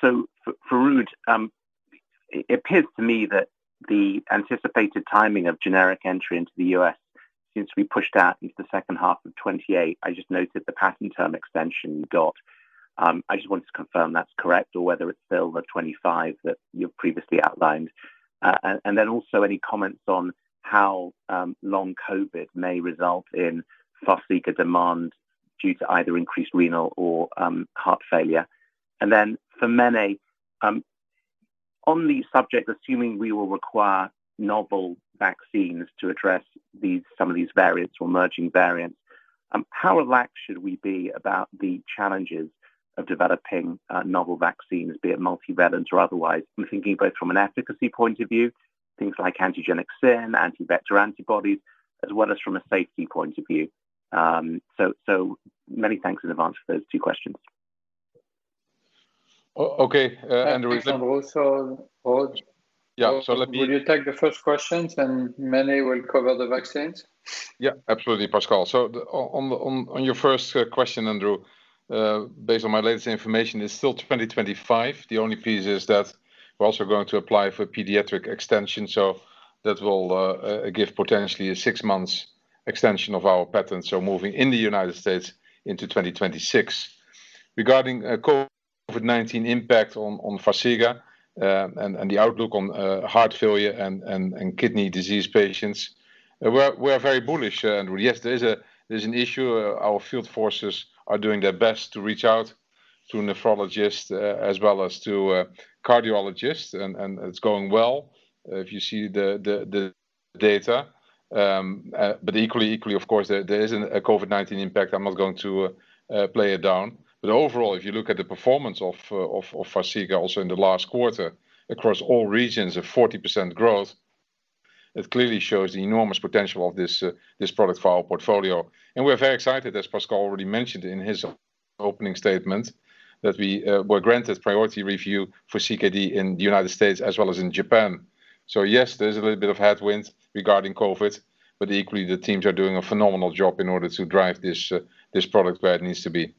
For Ruud, it appears to me that the anticipated timing of generic entry into the U.S. seems to be pushed out into the second half of 2028. I just noted the patent term extension you got. I just wanted to confirm that's correct or whether it's still the 2025 that you've previously outlined. And then also any comments on how long COVID may result in Farxiga demand due to either increased renal or heart failure. Then for Mene, on the subject, assuming we will require novel vaccines to address these, some of these variants or emerging variants, how relaxed should we be about the challenges of developing novel vaccines, be it multivalent or otherwise? I'm thinking both from an efficacy point of view, things like antigenic sin, anti-vector antibodies, as well as from a safety point of view. Many thanks in advance for those two questions. Okay, Andrew. Also, Ruud. Yeah. Will you take the first questions, and Mene will cover the vaccines? Yeah, absolutely, Pascal. On your first question, Andrew, based on my latest information, it's still 2025. The only piece is that we're also going to apply for pediatric extension, so that will give potentially a six months extension of our patent, so moving in the U.S. into 2026. Regarding COVID-19 impact on Farxiga, and the outlook on heart failure and kidney disease patients, we're very bullish, Andrew. Yes, there's an issue. Our field forces are doing their best to reach out to nephrologists, as well as to cardiologists and it's going well, if you see the data. Equally, of course, there is a COVID-19 impact. I'm not going to play it down. Overall, if you look at the performance of Farxiga also in the last quarter across all regions of 40% growth, it clearly shows the enormous potential of this product for our portfolio. We're very excited, as Pascal already mentioned in his opening statement, that we were granted priority review for CKD in the United States as well as in Japan. Yes, there's a little bit of headwind regarding COVID, but equally the teams are doing a phenomenal job in order to drive this product where it needs to be.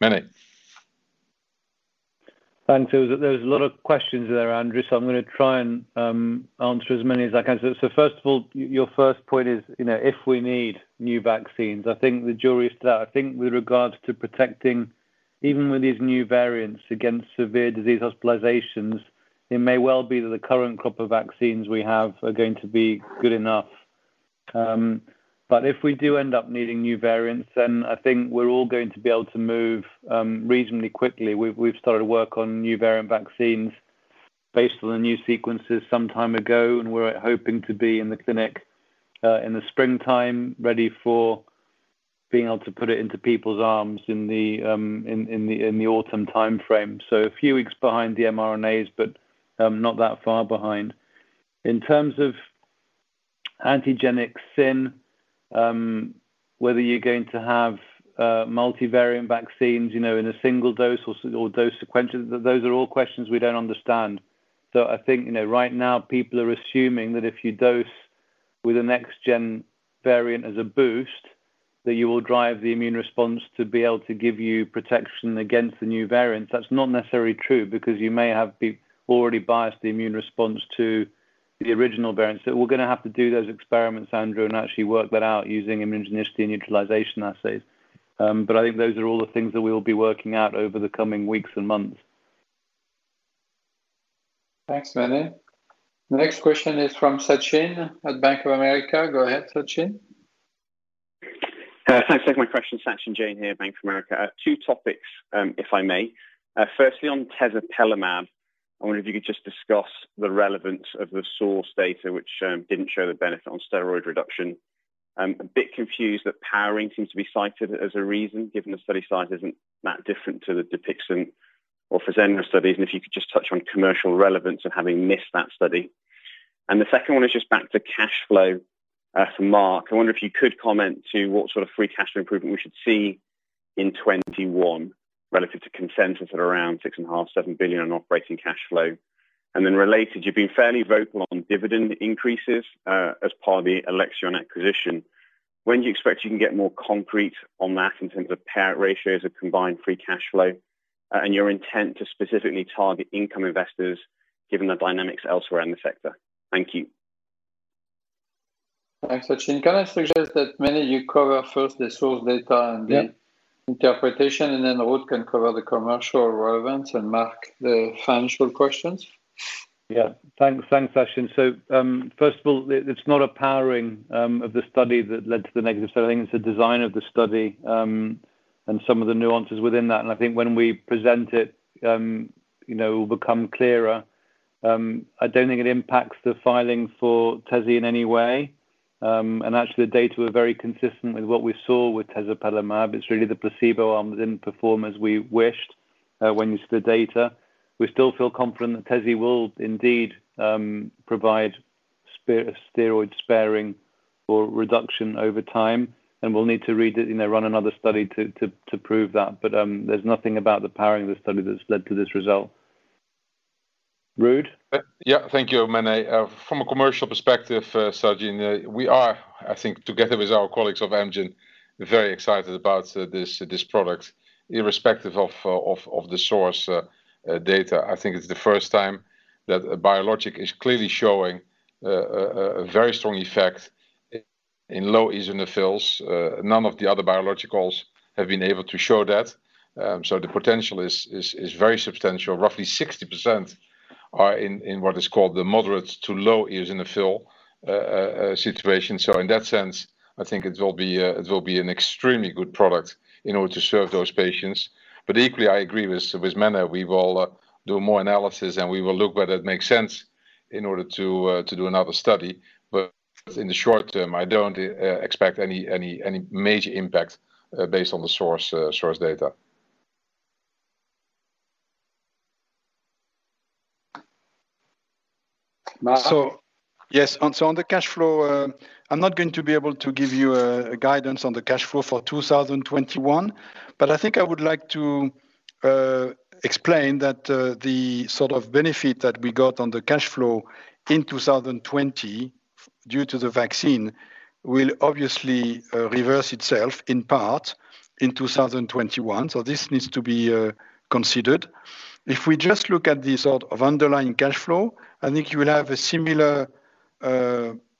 Mene? Thanks. There was a lot of questions there, Andrew, so I'm gonna try and answer as many as I can. First of all your first point is, you know, if we need new vaccines. I think the jury is still out. I think with regards to protecting even with these new variants against severe disease hospitalizations, it may well be that the current crop of vaccines we have are going to be good enough. If we do end up needing new variants, I think we're all going to be able to move reasonably quickly. We've started work on new variant vaccines based on the new sequences some time ago, and we're hoping to be in the clinic in the springtime, ready for being able to put it into people's arms in the autumn timeframe. A few weeks behind the mRNAs, not that far behind. In terms of antigenic sin, whether you're going to have multi-variant vaccines, you know, in a single dose or dose sequences, those are all questions we don't understand. I think, you know, right now people are assuming that if you dose with a next-gen variant as a boost, that you will drive the immune response to be able to give you protection against the new variants. That's not necessarily true because you may have already biased the immune response to the original variants. We're gonna have to do those experiments, Andrew, and actually work that out using immunogenicity and neutralization assays. I think those are all the things that we'll be working out over the coming weeks and months. Thanks, Mene. The next question is from Sachin at Bank of America. Go ahead, Sachin. Thanks. Thanks for my question. Sachin Jain here, Bank of America. Two topics, if I may. Firstly, on tezepelumab, I wonder if you could just discuss the relevance of the SOURCE data which didn't show the benefit on steroid reduction. I'm a bit confused that powering seems to be cited as a reason, given the study size isn't that different to the DUPIXENT or Fasenra studies. If you could just touch on commercial relevance of having missed that study. The second one is just back to cash flow, for Marc. I wonder if you could comment to what sort of free cash flow improvement we should see in 2021 relative to consensus at around 6.5 billion-7 billion on operating cash flow. Then related, you've been fairly vocal on dividend increases, as part of the Alexion acquisition. When do you expect you can get more concrete on that in terms of payout ratios of combined free cash flow, and your intent to specifically target income investors given the dynamics elsewhere in the sector? Thank you. Thanks, Sachin. Can I suggest that, Mene, you cover first the SOURCE data and. Yeah interpretation, and then Ruud can cover the commercial relevance, and Marc the financial questions? Thanks. Thanks, Sachin. First of all, it's not a powering of the study that led to the negative. I think it's the design of the study and some of the nuances within that. I think when we present it, you know, it will become clearer. I don't think it impacts the filing for tezi in any way. Actually the data were very consistent with what we saw with tezepelumab. It's really the placebo arm that didn't perform as we wished when you see the data. We still feel confident that tezi will indeed provide steroid sparing or reduction over time, and we'll need to read it, you know, run another study to prove that. There's nothing about the powering of the study that's led to this result. Ruud? Yeah. Thank you, Mene. From a commercial perspective, Sachin, we are, I think together with our colleagues of Amgen, very excited about this product irrespective of the SOURCE data. I think it's the first time that a biologic is clearly showing a very strong effect in low eosinophils. None of the other biologicals have been able to show that. The potential is very substantial. Roughly 60% are in what is called the moderate to low eosinophil situation. In that sense, I think it will be an extremely good product in order to serve those patients. Equally, I agree with Mene, we will do more analysis, and we will look whether it makes sense in order to do another study. In the short term, I don't expect any major impact, based on the SOURCE data. Marc? Yes. On the cash flow, I'm not going to be able to give you a guidance on the cash flow for 2021, but I think I would like to explain that the sort of benefit that we got on the cash flow in 2020 due to the vaccine will obviously reverse itself in part in 2021. This needs to be considered. If we just look at the sort of underlying cash flow, I think you will have a similar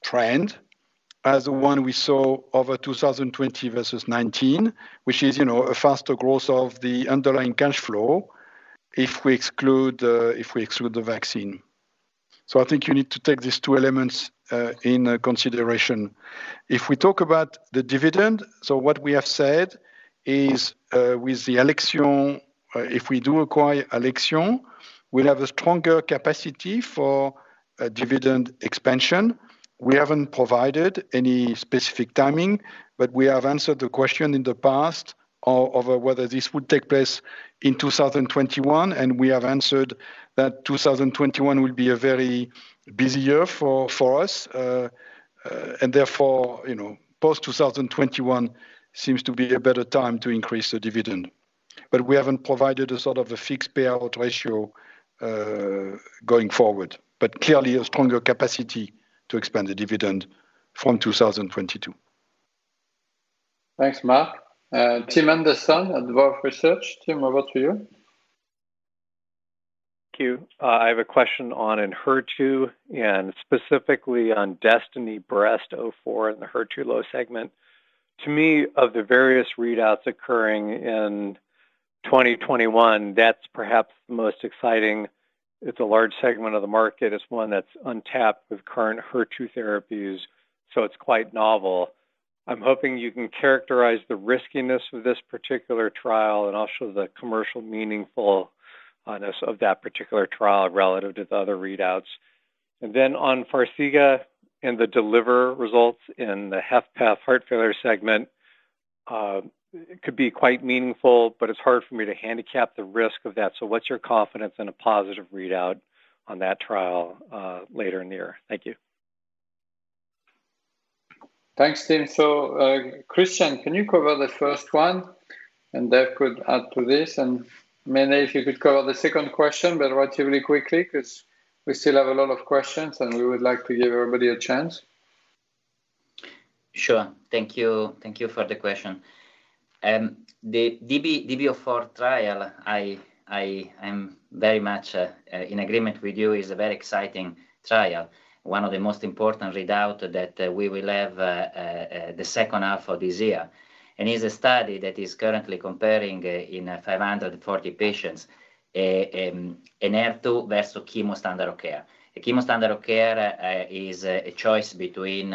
trend as the one we saw over 2020 versus 19, which is, you know, a faster growth of the underlying cash flow if we exclude, if we exclude the vaccine. I think you need to take these two elements in consideration. If we talk about the dividend, what we have said is, with Alexion, if we do acquire Alexion, we'll have a stronger capacity for a dividend expansion. We haven't provided any specific timing, but we have answered the question in the past over whether this would take place in 2021, and we have answered that 2021 will be a very busy year for us. Therefore, you know, post 2021 seems to be a better time to increase the dividend. We haven't provided a sort of a fixed payout ratio going forward. Clearly a stronger capacity to expand the dividend from 2022. Thanks, Marc. Tim Anderson at Wolfe Research. Tim, over to you. Thank you. I have a question on ENHERTU and specifically on DESTINY-Breast04 in the HER2-low segment. To me, of the various readouts occurring in 2021, that's perhaps the most exciting. It's a large segment of the market. It's one that's untapped with current HER2 therapies, so it's quite novel. I'm hoping you can characterize the riskiness of this particular trial and also the commercial meaningfulness of that particular trial relative to the other readouts. On Farxiga and the DELIVER results in the HFpEF heart failure segment, it could be quite meaningful, but it's hard for me to handicap the risk of that. What's your confidence in a positive readout on that trial later in the year? Thank you. Thanks, Tim. Cristian, can you cover the first one? Dave could add to this. Mene, if you could cover the second question, relatively quickly because we still have a lot of questions, and we would like to give everybody a chance. Sure. Thank you. Thank you for the question. The DESTINY-Breast04 trial, I am very much in agreement with you, is a very exciting trial. One of the most important readout that we will have the second half of this year. It's a study that is currently comparing in 540 patients, Enhertu versus chemo standard of care. A chemo standard of care is a choice between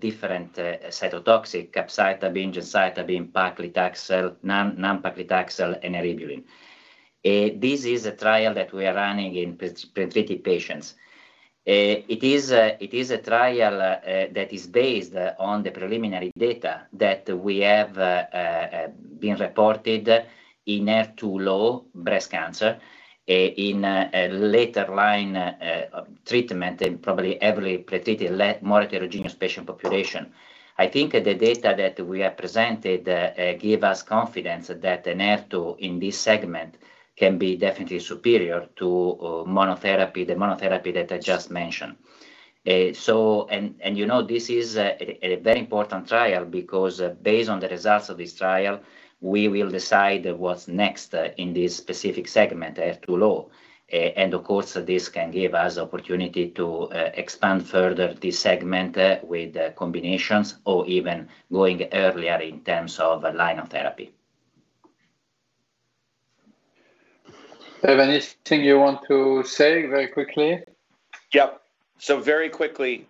different cytotoxic, capecitabine, gemcitabine, paclitaxel, nab-paclitaxel, and eribulin. This is a trial that we are running in untreated patients. It is a trial that is based on the preliminary data that we have been reported in HER2-low breast cancer in a later line treatment in probably heavily pretreated more heterogeneous patient population. I think the data that we have presented give us confidence that Enhertu in this segment can be definitely superior to monotherapy, the monotherapy that I just mentioned. And you know, this is a very important trial because based on the results of this trial, we will decide what's next in this specific segment, HER2-low. And of course, this can give us opportunity to expand further this segment with combinations or even going earlier in terms of a line of therapy. Dave, anything you want to say very quickly? Yep. Very quickly,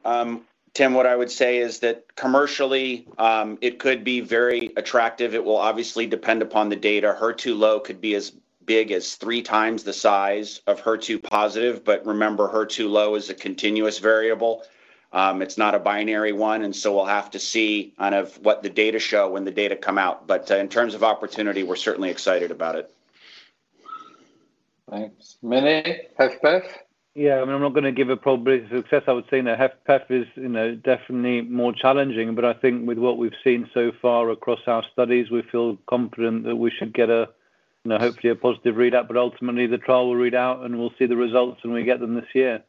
Tim, what I would say is that commercially, it could be very attractive. It will obviously depend upon the data. HER2 low could be as big as 3 times the size of HER2 positive. Remember, HER2 low is a continuous variable. It's not a binary one, we'll have to see kind of what the data show when the data come out. In terms of opportunity, we're certainly excited about it. Thanks. Mene, HFpEF? Yeah. I mean, I'm not gonna give a probability of success. I would say that HFpEF is, you know, definitely more challenging. I think with what we've seen so far across our studies, we feel confident that we should get a, you know, hopefully a positive readout. Ultimately, the trial will read out, and we'll see the results, and we get them this year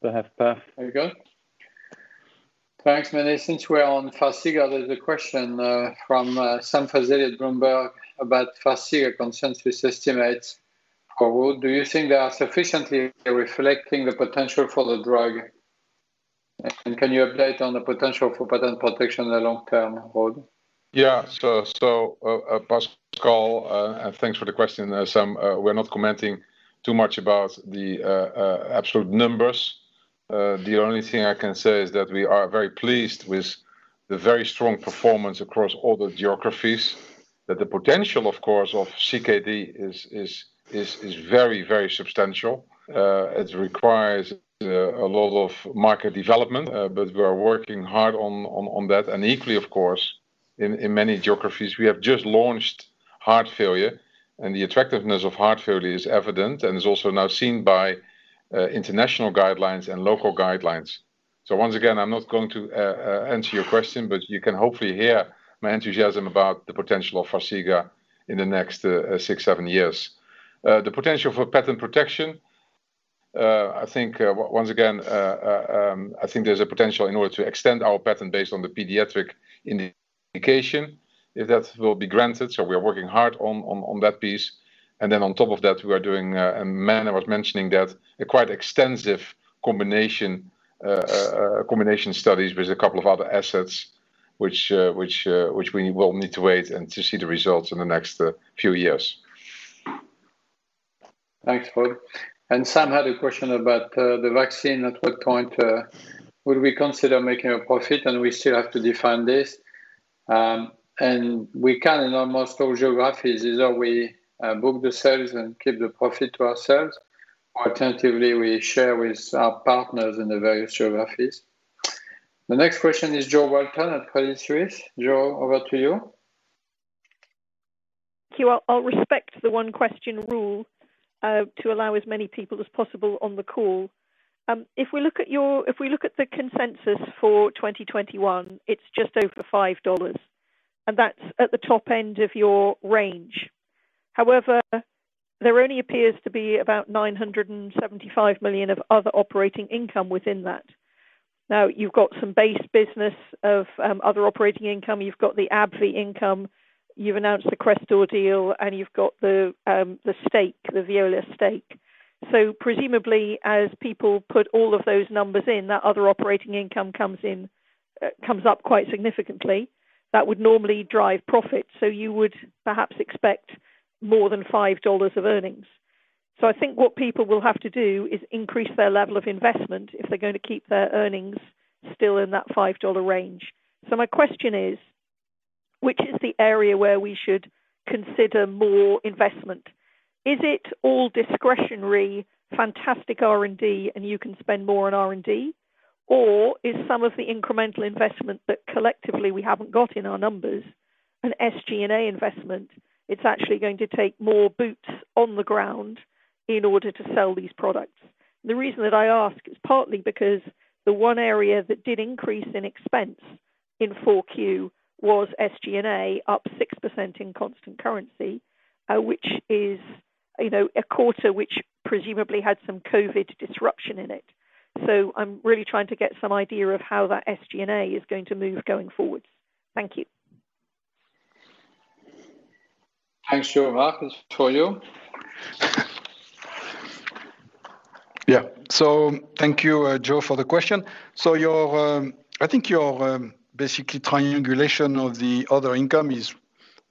for HFpEF. Very good. Thanks, Mene. Since we're on Farxiga, there's a question from Sam Fazeli at Bloomberg about Farxiga consensus estimates. Ruud Dobber, do you think they are sufficiently reflecting the potential for the drug? Can you update on the potential for patent protection in the long term, Ruud Dobber? Yeah. Pascal Soriot, thanks for the question, Sam. We're not commenting too much about the absolute numbers. The only thing I can say is that we are very pleased with the very strong performance across all the geographies. That the potential, of course, of CKD is very substantial. It requires a lot of market development, we are working hard on that. Equally, of course, in many geographies, we have just launched heart failure, and the attractiveness of heart failure is evident and is also now seen by international guidelines and local guidelines. Once again, I'm not going to answer your question, but you can hopefully hear my enthusiasm about the potential of Farxiga in the next six, seven years. The potential for patent protection, I think, once again, I think there's a potential in order to extend our patent based on the pediatric indication, if that will be granted, so we are working hard on that piece. Then on top of that, we are doing, Mene was mentioning that a quite extensive combination studies with a couple of other assets which we will need to wait and to see the results in the next few years. Thanks, Ruud Dobber. Sam Fazeli had a question about the vaccine. At what point would we consider making a profit? We still have to define this. We can in almost all geographies. Either we book the sales and keep the profit to ourselves, or alternatively, we share with our partners in the various geographies. The next question is Jo Walton at Credit Suisse. Jo, over to you. Thank you. I'll respect the one-question rule to allow as many people as possible on the call. If we look at the consensus for 2021, it's just over $5, and that's at the top end of your range. However, there only appears to be about $975 million of other operating income within that. Now, you've got some base business of other operating income. You've got the AbbVie income. You've announced the Crestor deal, and you've got the stake, the Viela stake. Presumably, as people put all of those numbers in, that other operating income comes in, comes up quite significantly. That would normally drive profit, you would perhaps expect more than $5 of earnings. I think what people will have to do is increase their level of investment if they're going to keep their earnings still in that five-dollar range. My question is: Which is the area where we should consider more investment? Is it all discretionary, fantastic R&D, and you can spend more on R&D, or is some of the incremental investment that collectively we haven't got in our numbers an SG&A investment, it's actually going to take more boots on the ground in order to sell these products? The reason that I ask is partly because the one area that did increase in expense in 4Q was SG&A, up 6% in constant currency, which is, you know, a quarter which presumably had some COVID disruption in it. I'm really trying to get some idea of how that SG&A is going to move going forwards. Thank you. Thanks, Jo. Marc, it's for you. Yeah. Thank you, Jo, for the question. Your, I think your, basically triangulation of the other income is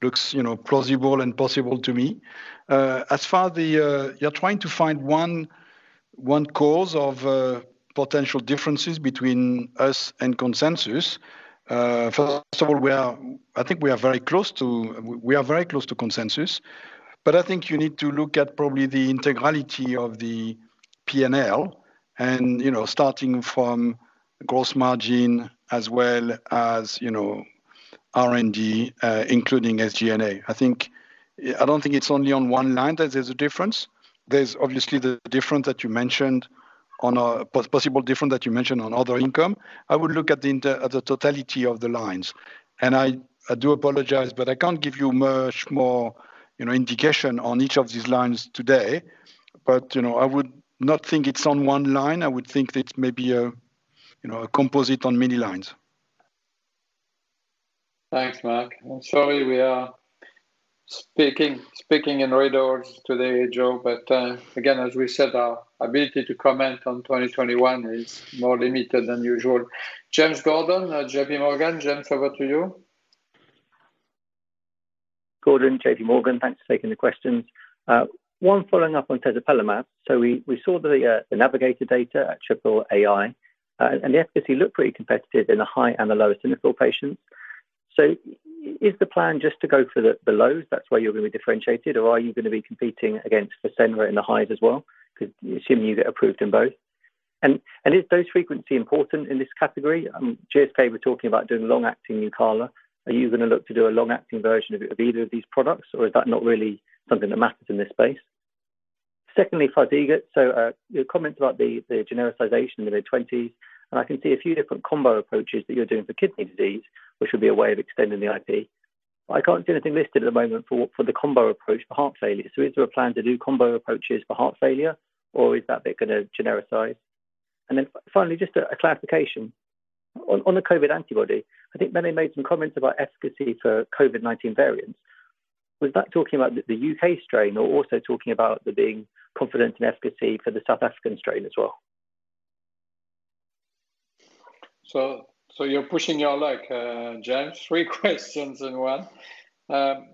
looks, you know, plausible and possible to me. As far the, you're trying to find one cause of potential differences between us and consensus. First of all, I think we are very close to consensus. I think you need to look at probably the integrality of the P&L and, you know, starting from gross margin as well as, you know, R&D, including SG&A. I don't think it's only on one line that there's a difference. There's obviously the difference that you mentioned on possible difference that you mentioned on other income. I would look at the totality of the lines. I do apologize, but I can't give you much more, you know, indication on each of these lines today. You know, I would not think it's on one line. I would think that maybe a, you know, a composite on many lines. Thanks, Marc. I'm sorry we are speaking in riddles today, Jo, but again, as we said, our ability to comment on 2021 is more limited than usual. James Gordon at JPMorgan. James, over to you. Gordon, JPMorgan. Thanks for taking the questions. One following up on tezepelumab. We saw the NAVIGATOR data at AAAAI, and the efficacy looked pretty competitive in the high and the low eosinophil patients. Is the plan just to go for the lows, that's where you're gonna be differentiated, or are you gonna be competing against Fasenra in the highs as well? Because assuming you get approved in both. Is dose frequency important in this category? GSK were talking about doing long-acting Nucala. Are you gonna look to do a long-acting version of either of these products, or is that not really something that matters in this space? Secondly, Farxiga. Your comments about the genericization in the mid-20s, and I can see a few different combo approaches that you're doing for kidney disease, which would be a way of extending the IP. I can't see anything listed at the moment for the combo approach for heart failure. Is there a plan to do combo approaches for heart failure, or is that bit gonna genericize? Finally, just a clarification. On the COVID antibody, I think Mene made some comments about efficacy for COVID-19 variants. Was that talking about the U.K. strain or also talking about there being confidence in efficacy for the South African strain as well? You're pushing your luck, James. Three questions in one.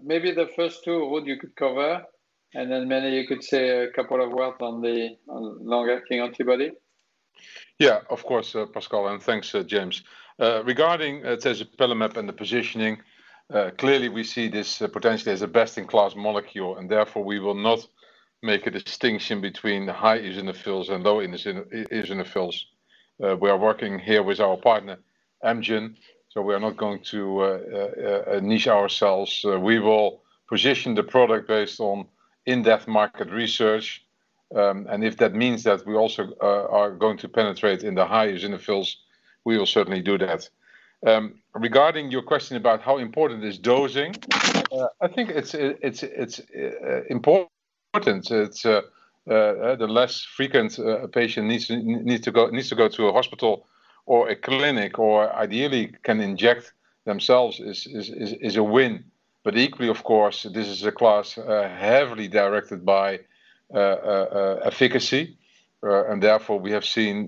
Maybe the first two, Ruud, you could cover, and then Mene, you could say two words on longer-acting antibody. Yeah, of course, Pascal, thanks, James. Regarding tezepelumab and the positioning, clearly we see this potentially as a best-in-class molecule, therefore we will not make a distinction between the high eosinophils and low eosinophils. We are working here with our partner Amgen, we are not going to niche ourselves. We will position the product based on in-depth market research, if that means that we also are going to penetrate in the high eosinophils, we will certainly do that. Regarding your question about how important is dosing, I think it's important. The less frequent a patient needs to go to a hospital or a clinic or ideally can inject themselves is a win. Equally, of course, this is a class heavily directed by efficacy, and therefore we have seen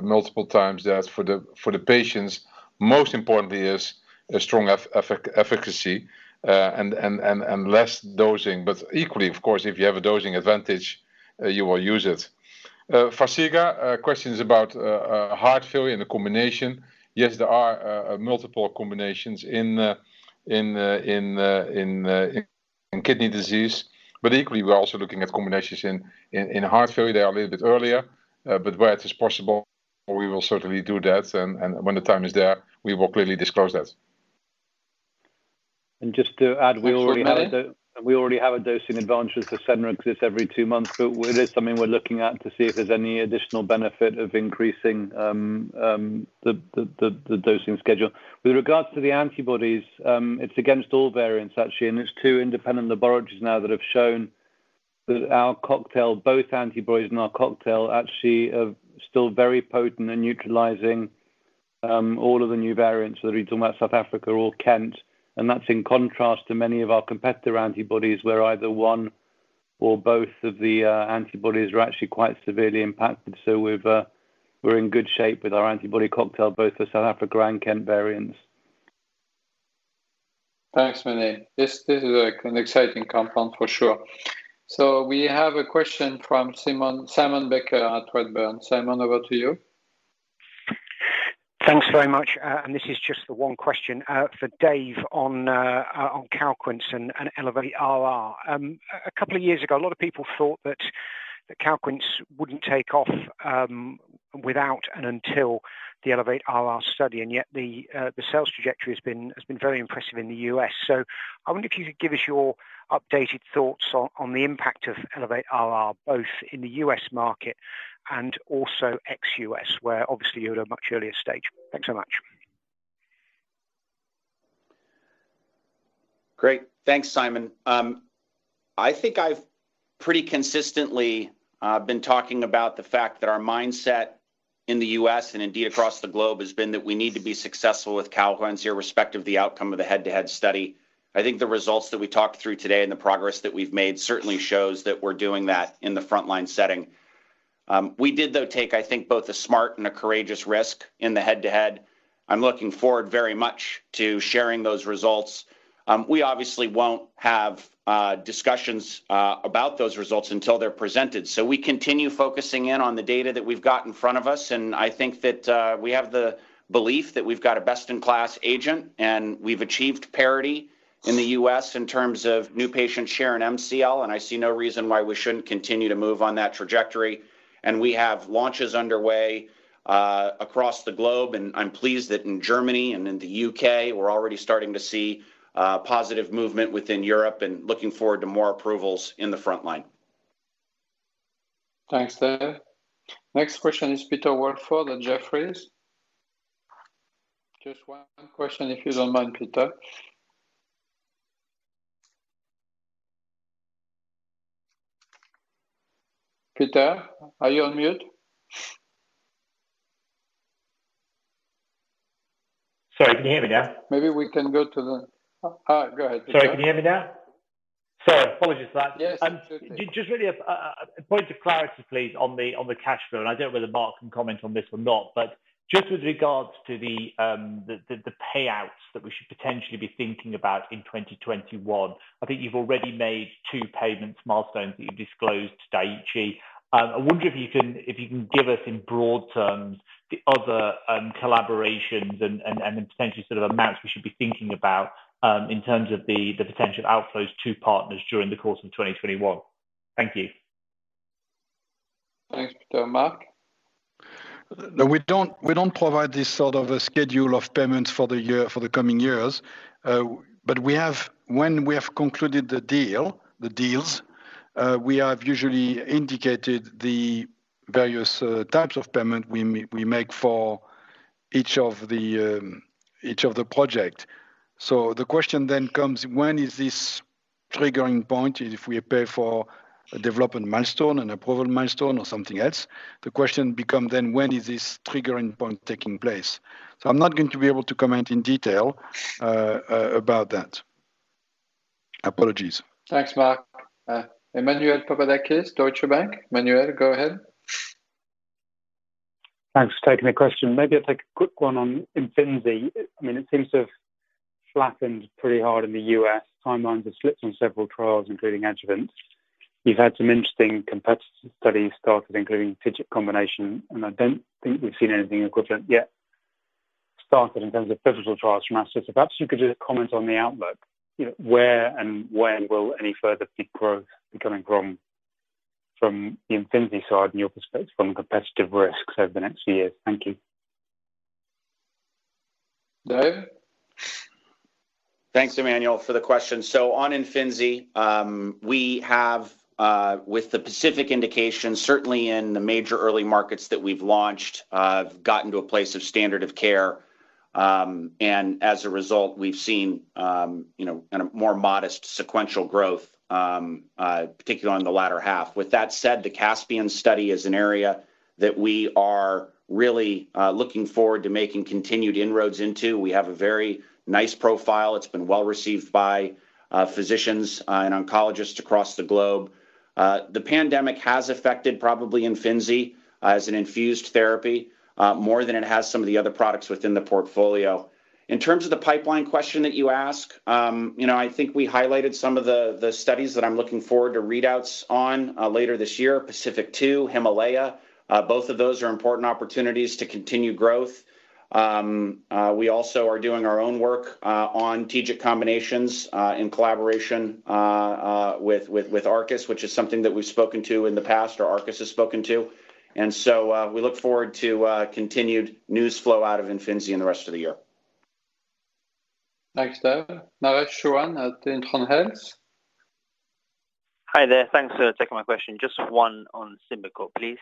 multiple times that for the patients, most importantly is a strong efficacy and less dosing. Equally, of course, if you have a dosing advantage, you will use it. Farxiga, questions about heart failure and the combination. Yes, there are multiple combinations in kidney disease. Equally we're also looking at combinations in heart failure. They are a little bit earlier, but where it is possible, we will certainly do that, and when the time is there, we will clearly disclose that. And just to add- Thanks, Ruud. Mene? We already have a dosing advantage with Fasenra because it's every two months, but it is something we're looking at to see if there's any additional benefit of increasing the dosing schedule. With regards to the antibodies, it's against all variants actually, and there's two independent laboratories now that have shown that our cocktail, both antibodies in our cocktail actually are still very potent in neutralizing all of the new variants, whether we're talking about South Africa or Kent, and that's in contrast to many of our competitor antibodies where either one or both of the antibodies are actually quite severely impacted. We've, we're in good shape with our antibody cocktail, both the South Africa and Kent variants. Thanks, Mene. This is an exciting compound, for sure. We have a question from Simon Baker at Redburn. Simon, over to you. Thanks very much. This is just the one question for Dave on Calquence and ELEVATE-RR. A couple of years ago, a lot of people thought that Calquence wouldn't take off without and until the ELEVATE-RR study, yet the sales trajectory has been very impressive in the U.S. I wonder if you could give us your updated thoughts on the impact of ELEVATE-RR, both in the U.S. market and also ex-U.S., where obviously you're at a much earlier stage. Thanks so much. Great. Thanks, Simon. I think I've pretty consistently been talking about the fact that our mindset in the U.S., and indeed across the globe, has been that we need to be successful with Calquence irrespective of the outcome of the head-to-head study. I think the results that we talked through today and the progress that we've made certainly shows that we're doing that in the frontline setting. We did though take, I think, both a smart and a courageous risk in the head-to-head. I'm looking forward very much to sharing those results. We obviously won't have discussions about those results until they're presented, so we continue focusing in on the data that we've got in front of us. I think that we have the belief that we've got a best-in-class agent, and we've achieved parity in the U.S. in terms of new patient share in MCL, and I see no reason why we shouldn't continue to move on that trajectory. We have launches underway across the globe, and I'm pleased that in Germany and in the U.K. we're already starting to see positive movement within Europe and looking forward to more approvals in the frontline. Thanks, Dave. Next question is Peter Welford at Jefferies. Just one question if you don't mind, Peter. Peter, are you on mute? Sorry, can you hear me now? Go ahead, Peter. Sorry, can you hear me now? Sorry, apologies for that. Yes. Just really a point of clarity, please, on the cash flow. I don't know whether Marc can comment on this or not. Just with regards to the payouts that we should potentially be thinking about in 2021, I think you've already made two payments, milestones that you've disclosed to Daiichi. I wonder if you can give us in broad terms the other collaborations and the potential sort of amounts we should be thinking about in terms of the potential outflows to partners during the course of 2021. Thank you. Thanks, Peter. Marc? We don't provide this sort of a schedule of payments for the year, for the coming years. When we have concluded the deals, we have usually indicated the various types of payment we make for each of the each of the project. The question comes when is this triggering point if we pay for a development milestone, an approval milestone, or something else? The question becomes when is this triggering point taking place? I'm not going to be able to comment in detail about that. Apologies. Thanks, Marc. Emmanuel Papadakis, Deutsche Bank. Emmanuel, go ahead. Thanks for taking the question. Maybe I'll take a quick one on IMFINZI. I mean, it seems to have flattened pretty hard in the U.S. timelines have slipped on several trials, including adjuvant. You've had some interesting competitor studies started, including TIGIT combination, and I don't think we've seen anything equivalent yet started in terms of pivotal trials from AstraZeneca. Perhaps you could just comment on the outlook. You know, where and when will any further peak growth be coming from the IMFINZI side in your perspective from competitive risks over the next few years? Thank you. Dave? Thanks, Emmanuel, for the question. On Imfinzi, we have, with the specific indication, certainly in the major early markets that we've launched, have gotten to a place of standard of care. As a result, we've seen, you know, kind of more modest sequential growth, particularly in the latter half. With that said, the CASPIAN study is an area that we are really looking forward to making continued inroads into. We have a very nice profile. It's been well-received by physicians and oncologists across the globe. The pandemic has affected probably Imfinzi, as an infused therapy, more than it has some of the other products within the portfolio. In terms of the pipeline question that you ask, you know, I think we highlighted some of the studies that I'm looking forward to readouts on later this year, PACIFIC-2, HIMALAYA. Both of those are important opportunities to continue growth. We also are doing our own work on TIGIT combinations in collaboration with Arcus, which is something that we've spoken to in the past or Arcus has spoken to. We look forward to continued news flow out of Imfinzi in the rest of the year. Thanks, Dave. Naresh Chouhan at Intron Health. Hi there. Thanks for taking my question. Just one on Symbicort, please.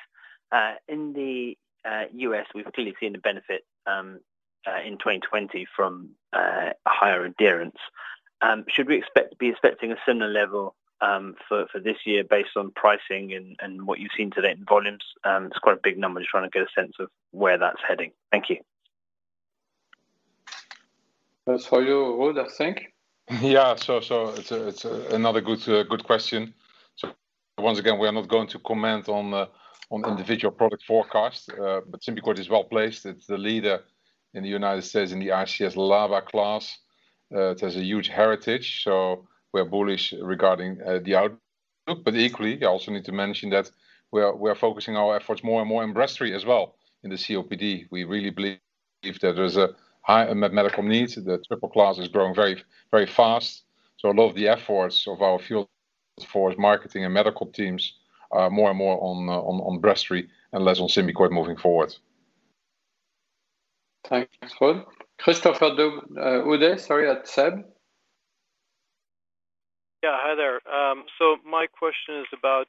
In the U.S. we've clearly seen the benefit in 2020 from higher adherence. Should we be expecting a similar level for this year based on pricing and what you've seen to date in volumes? It's quite a big number. Just trying to get a sense of where that's heading. Thank you. That's for you, Ruud, I think. It's another good question. Once again, we are not going to comment on individual product forecast. Symbicort is well-placed. It's the leader in the U.S. in the ICS LABA class. It has a huge heritage, we're bullish regarding the outlook. Equally, I also need to mention that we are focusing our efforts more and more in Breztri as well, in the COPD. We really believe that there's a high medical needs. The triple class is growing very fast. A lot of the efforts of our field force marketing and medical teams are more and more on Breztri and less on Symbicort moving forward. Thanks, Ruud. Christopher Uhde. Sorry, at SEB. Hi there. My question is about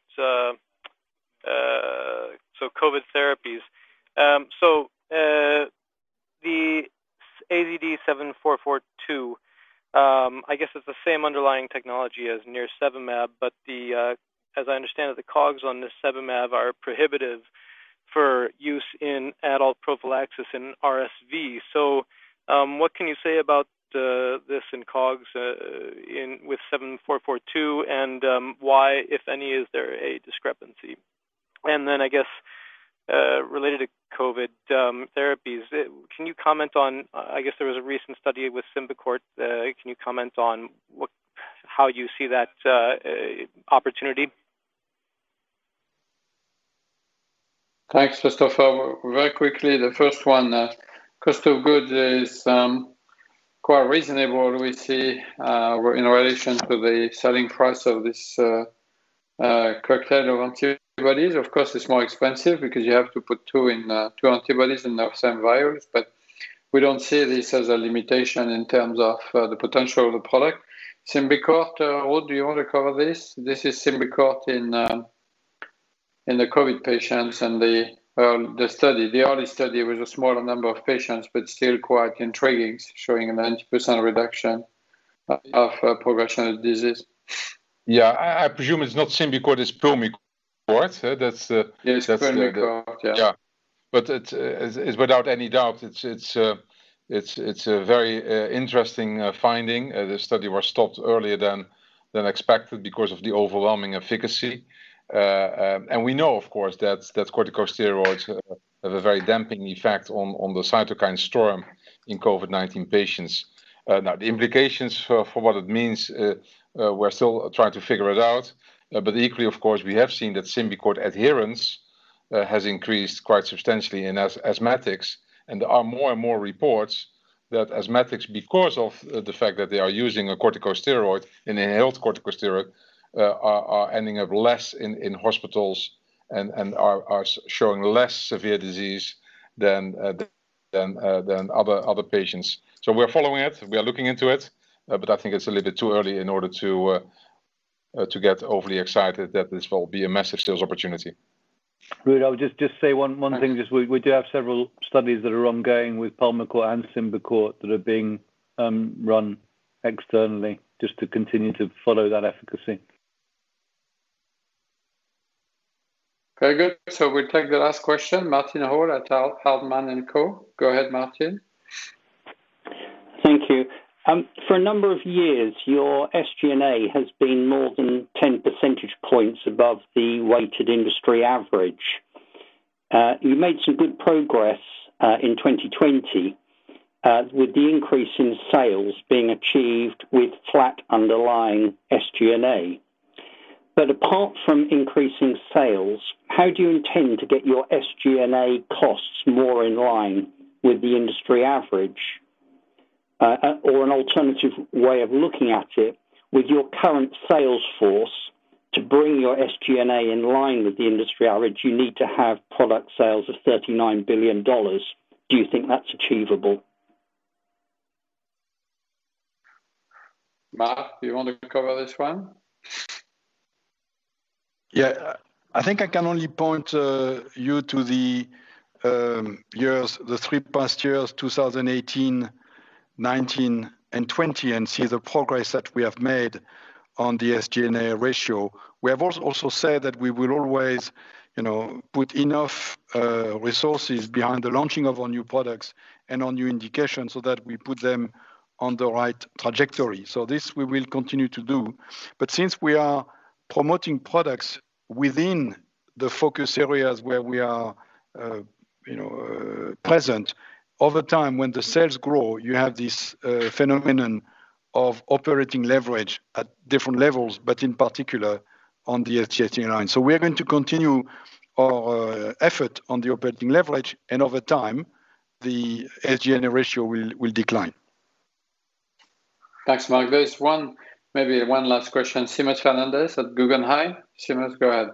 COVID therapies. The AZD7442, I guess it's the same underlying technology as nirsevimab, as I understand it, the COGS on nirsevimab are prohibitive for use in adult prophylaxis in RSV. What can you say about this in COGS in with 7442, and why, if any, is there a discrepancy? I guess, related to COVID therapies, can you comment on, I guess there was a recent study with Symbicort. Can you comment on how you see that opportunity? Thanks, Christopher. Very quickly, the first one, cost of goods is quite reasonable we see in relation to the selling price of this cocktail of antibodies. Of course, it's more expensive because you have to put two in, two antibodies in the same virus, but we don't see this as a limitation in terms of the potential of the product. Symbicort, Ruud, do you want to cover this? This is Symbicort in the COVID patients and the study. The early study was a smaller number of patients, but still quite intriguing, showing a 90% reduction of progression of disease. Yeah. I presume it's not Symbicort, it's Pulmicort, huh? Yes, Pulmicort. Yeah. Yeah. It's without any doubt. It's a very interesting finding. The study was stopped earlier than expected because of the overwhelming efficacy. We know of course that corticosteroids have a very damping effect on the cytokine storm in COVID-19 patients. Now the implications for what it means, we're still trying to figure it out. Equally, of course, we have seen that Symbicort adherence has increased quite substantially in asthmatics, and there are more and more reports that asthmatics, because of the fact that they are using a corticosteroid, inhaled corticosteroid, are ending up less in hospitals and are showing less severe disease than other patients. We're following it. We are looking into it. I think it's a little bit too early in order to get overly excited that this will be a massive sales opportunity. Ruud, I would just say one thing. Just we do have several studies that are ongoing with Pulmicort and Symbicort that are being run externally just to continue to follow that efficacy. Very good. We'll take the last question. Martin Hall at Hardman & Co. Go ahead, Martin. Thank you. For a number of years, your SG&A has been more than 10 percentage points above the weighted industry average. You made some good progress in 2020 with the increase in sales being achieved with flat underlying SG&A. Apart from increasing sales, how do you intend to get your SG&A costs more in line with the industry average? Or an alternative way of looking at it, with your current sales force to bring your SG&A in line with the industry average, you need to have product sales of $39 billion. Do you think that's achievable? Marc, do you want to cover this one? Yeah. I think I can only point you to the years, the three past years, 2018, 2019, and 2020, and see the progress that we have made on the SG&A ratio. We have also said that we will always, you know, put enough resources behind the launching of our new products and our new indications so that we put them on the right trajectory. This we will continue to do. Since we are promoting products within the focus areas where we are, you know, present, over time, when the sales grow, you have this phenomenon of operating leverage at different levels, but in particular on the SG&A line. We are going to continue our effort on the operating leverage, and over time, the SG&A ratio will decline. Thanks, Marc. There is one, maybe one last question. Seamus Fernandez at Guggenheim. Seamus, go ahead.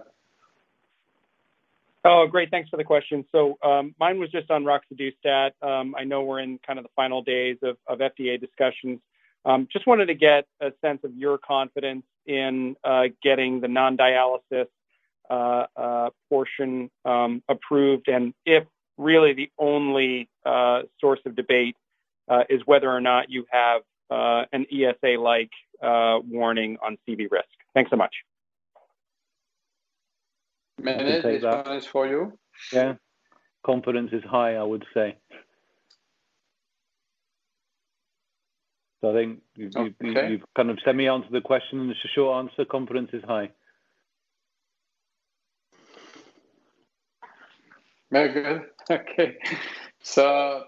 Oh, great. Thanks for the question. Mine was just on roxadustat. I know we're in kind of the final days of FDA discussions. Just wanted to get a sense of your confidence in getting the non-dialysis portion approved, and if really the only source of debate is whether or not you have an ESA-like warning on CV risk. Thanks so much. Mene, this one is for you. Yeah. Confidence is high, I would say. Okay You've kind of semi answered the question, and the short answer, confidence is high. Very good. Okay.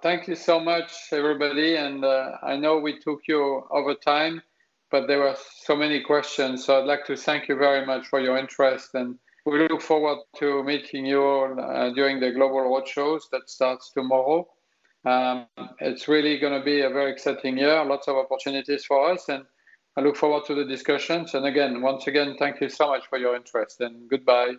Thank you so much, everybody, and I know we took you over time, but there were so many questions. I'd like to thank you very much for your interest, and we look forward to meeting you during the global roadshows that starts tomorrow. It's really gonna be a very exciting year. Lots of opportunities for us, and I look forward to the discussions. Again, once again, thank you so much for your interest, and goodbye.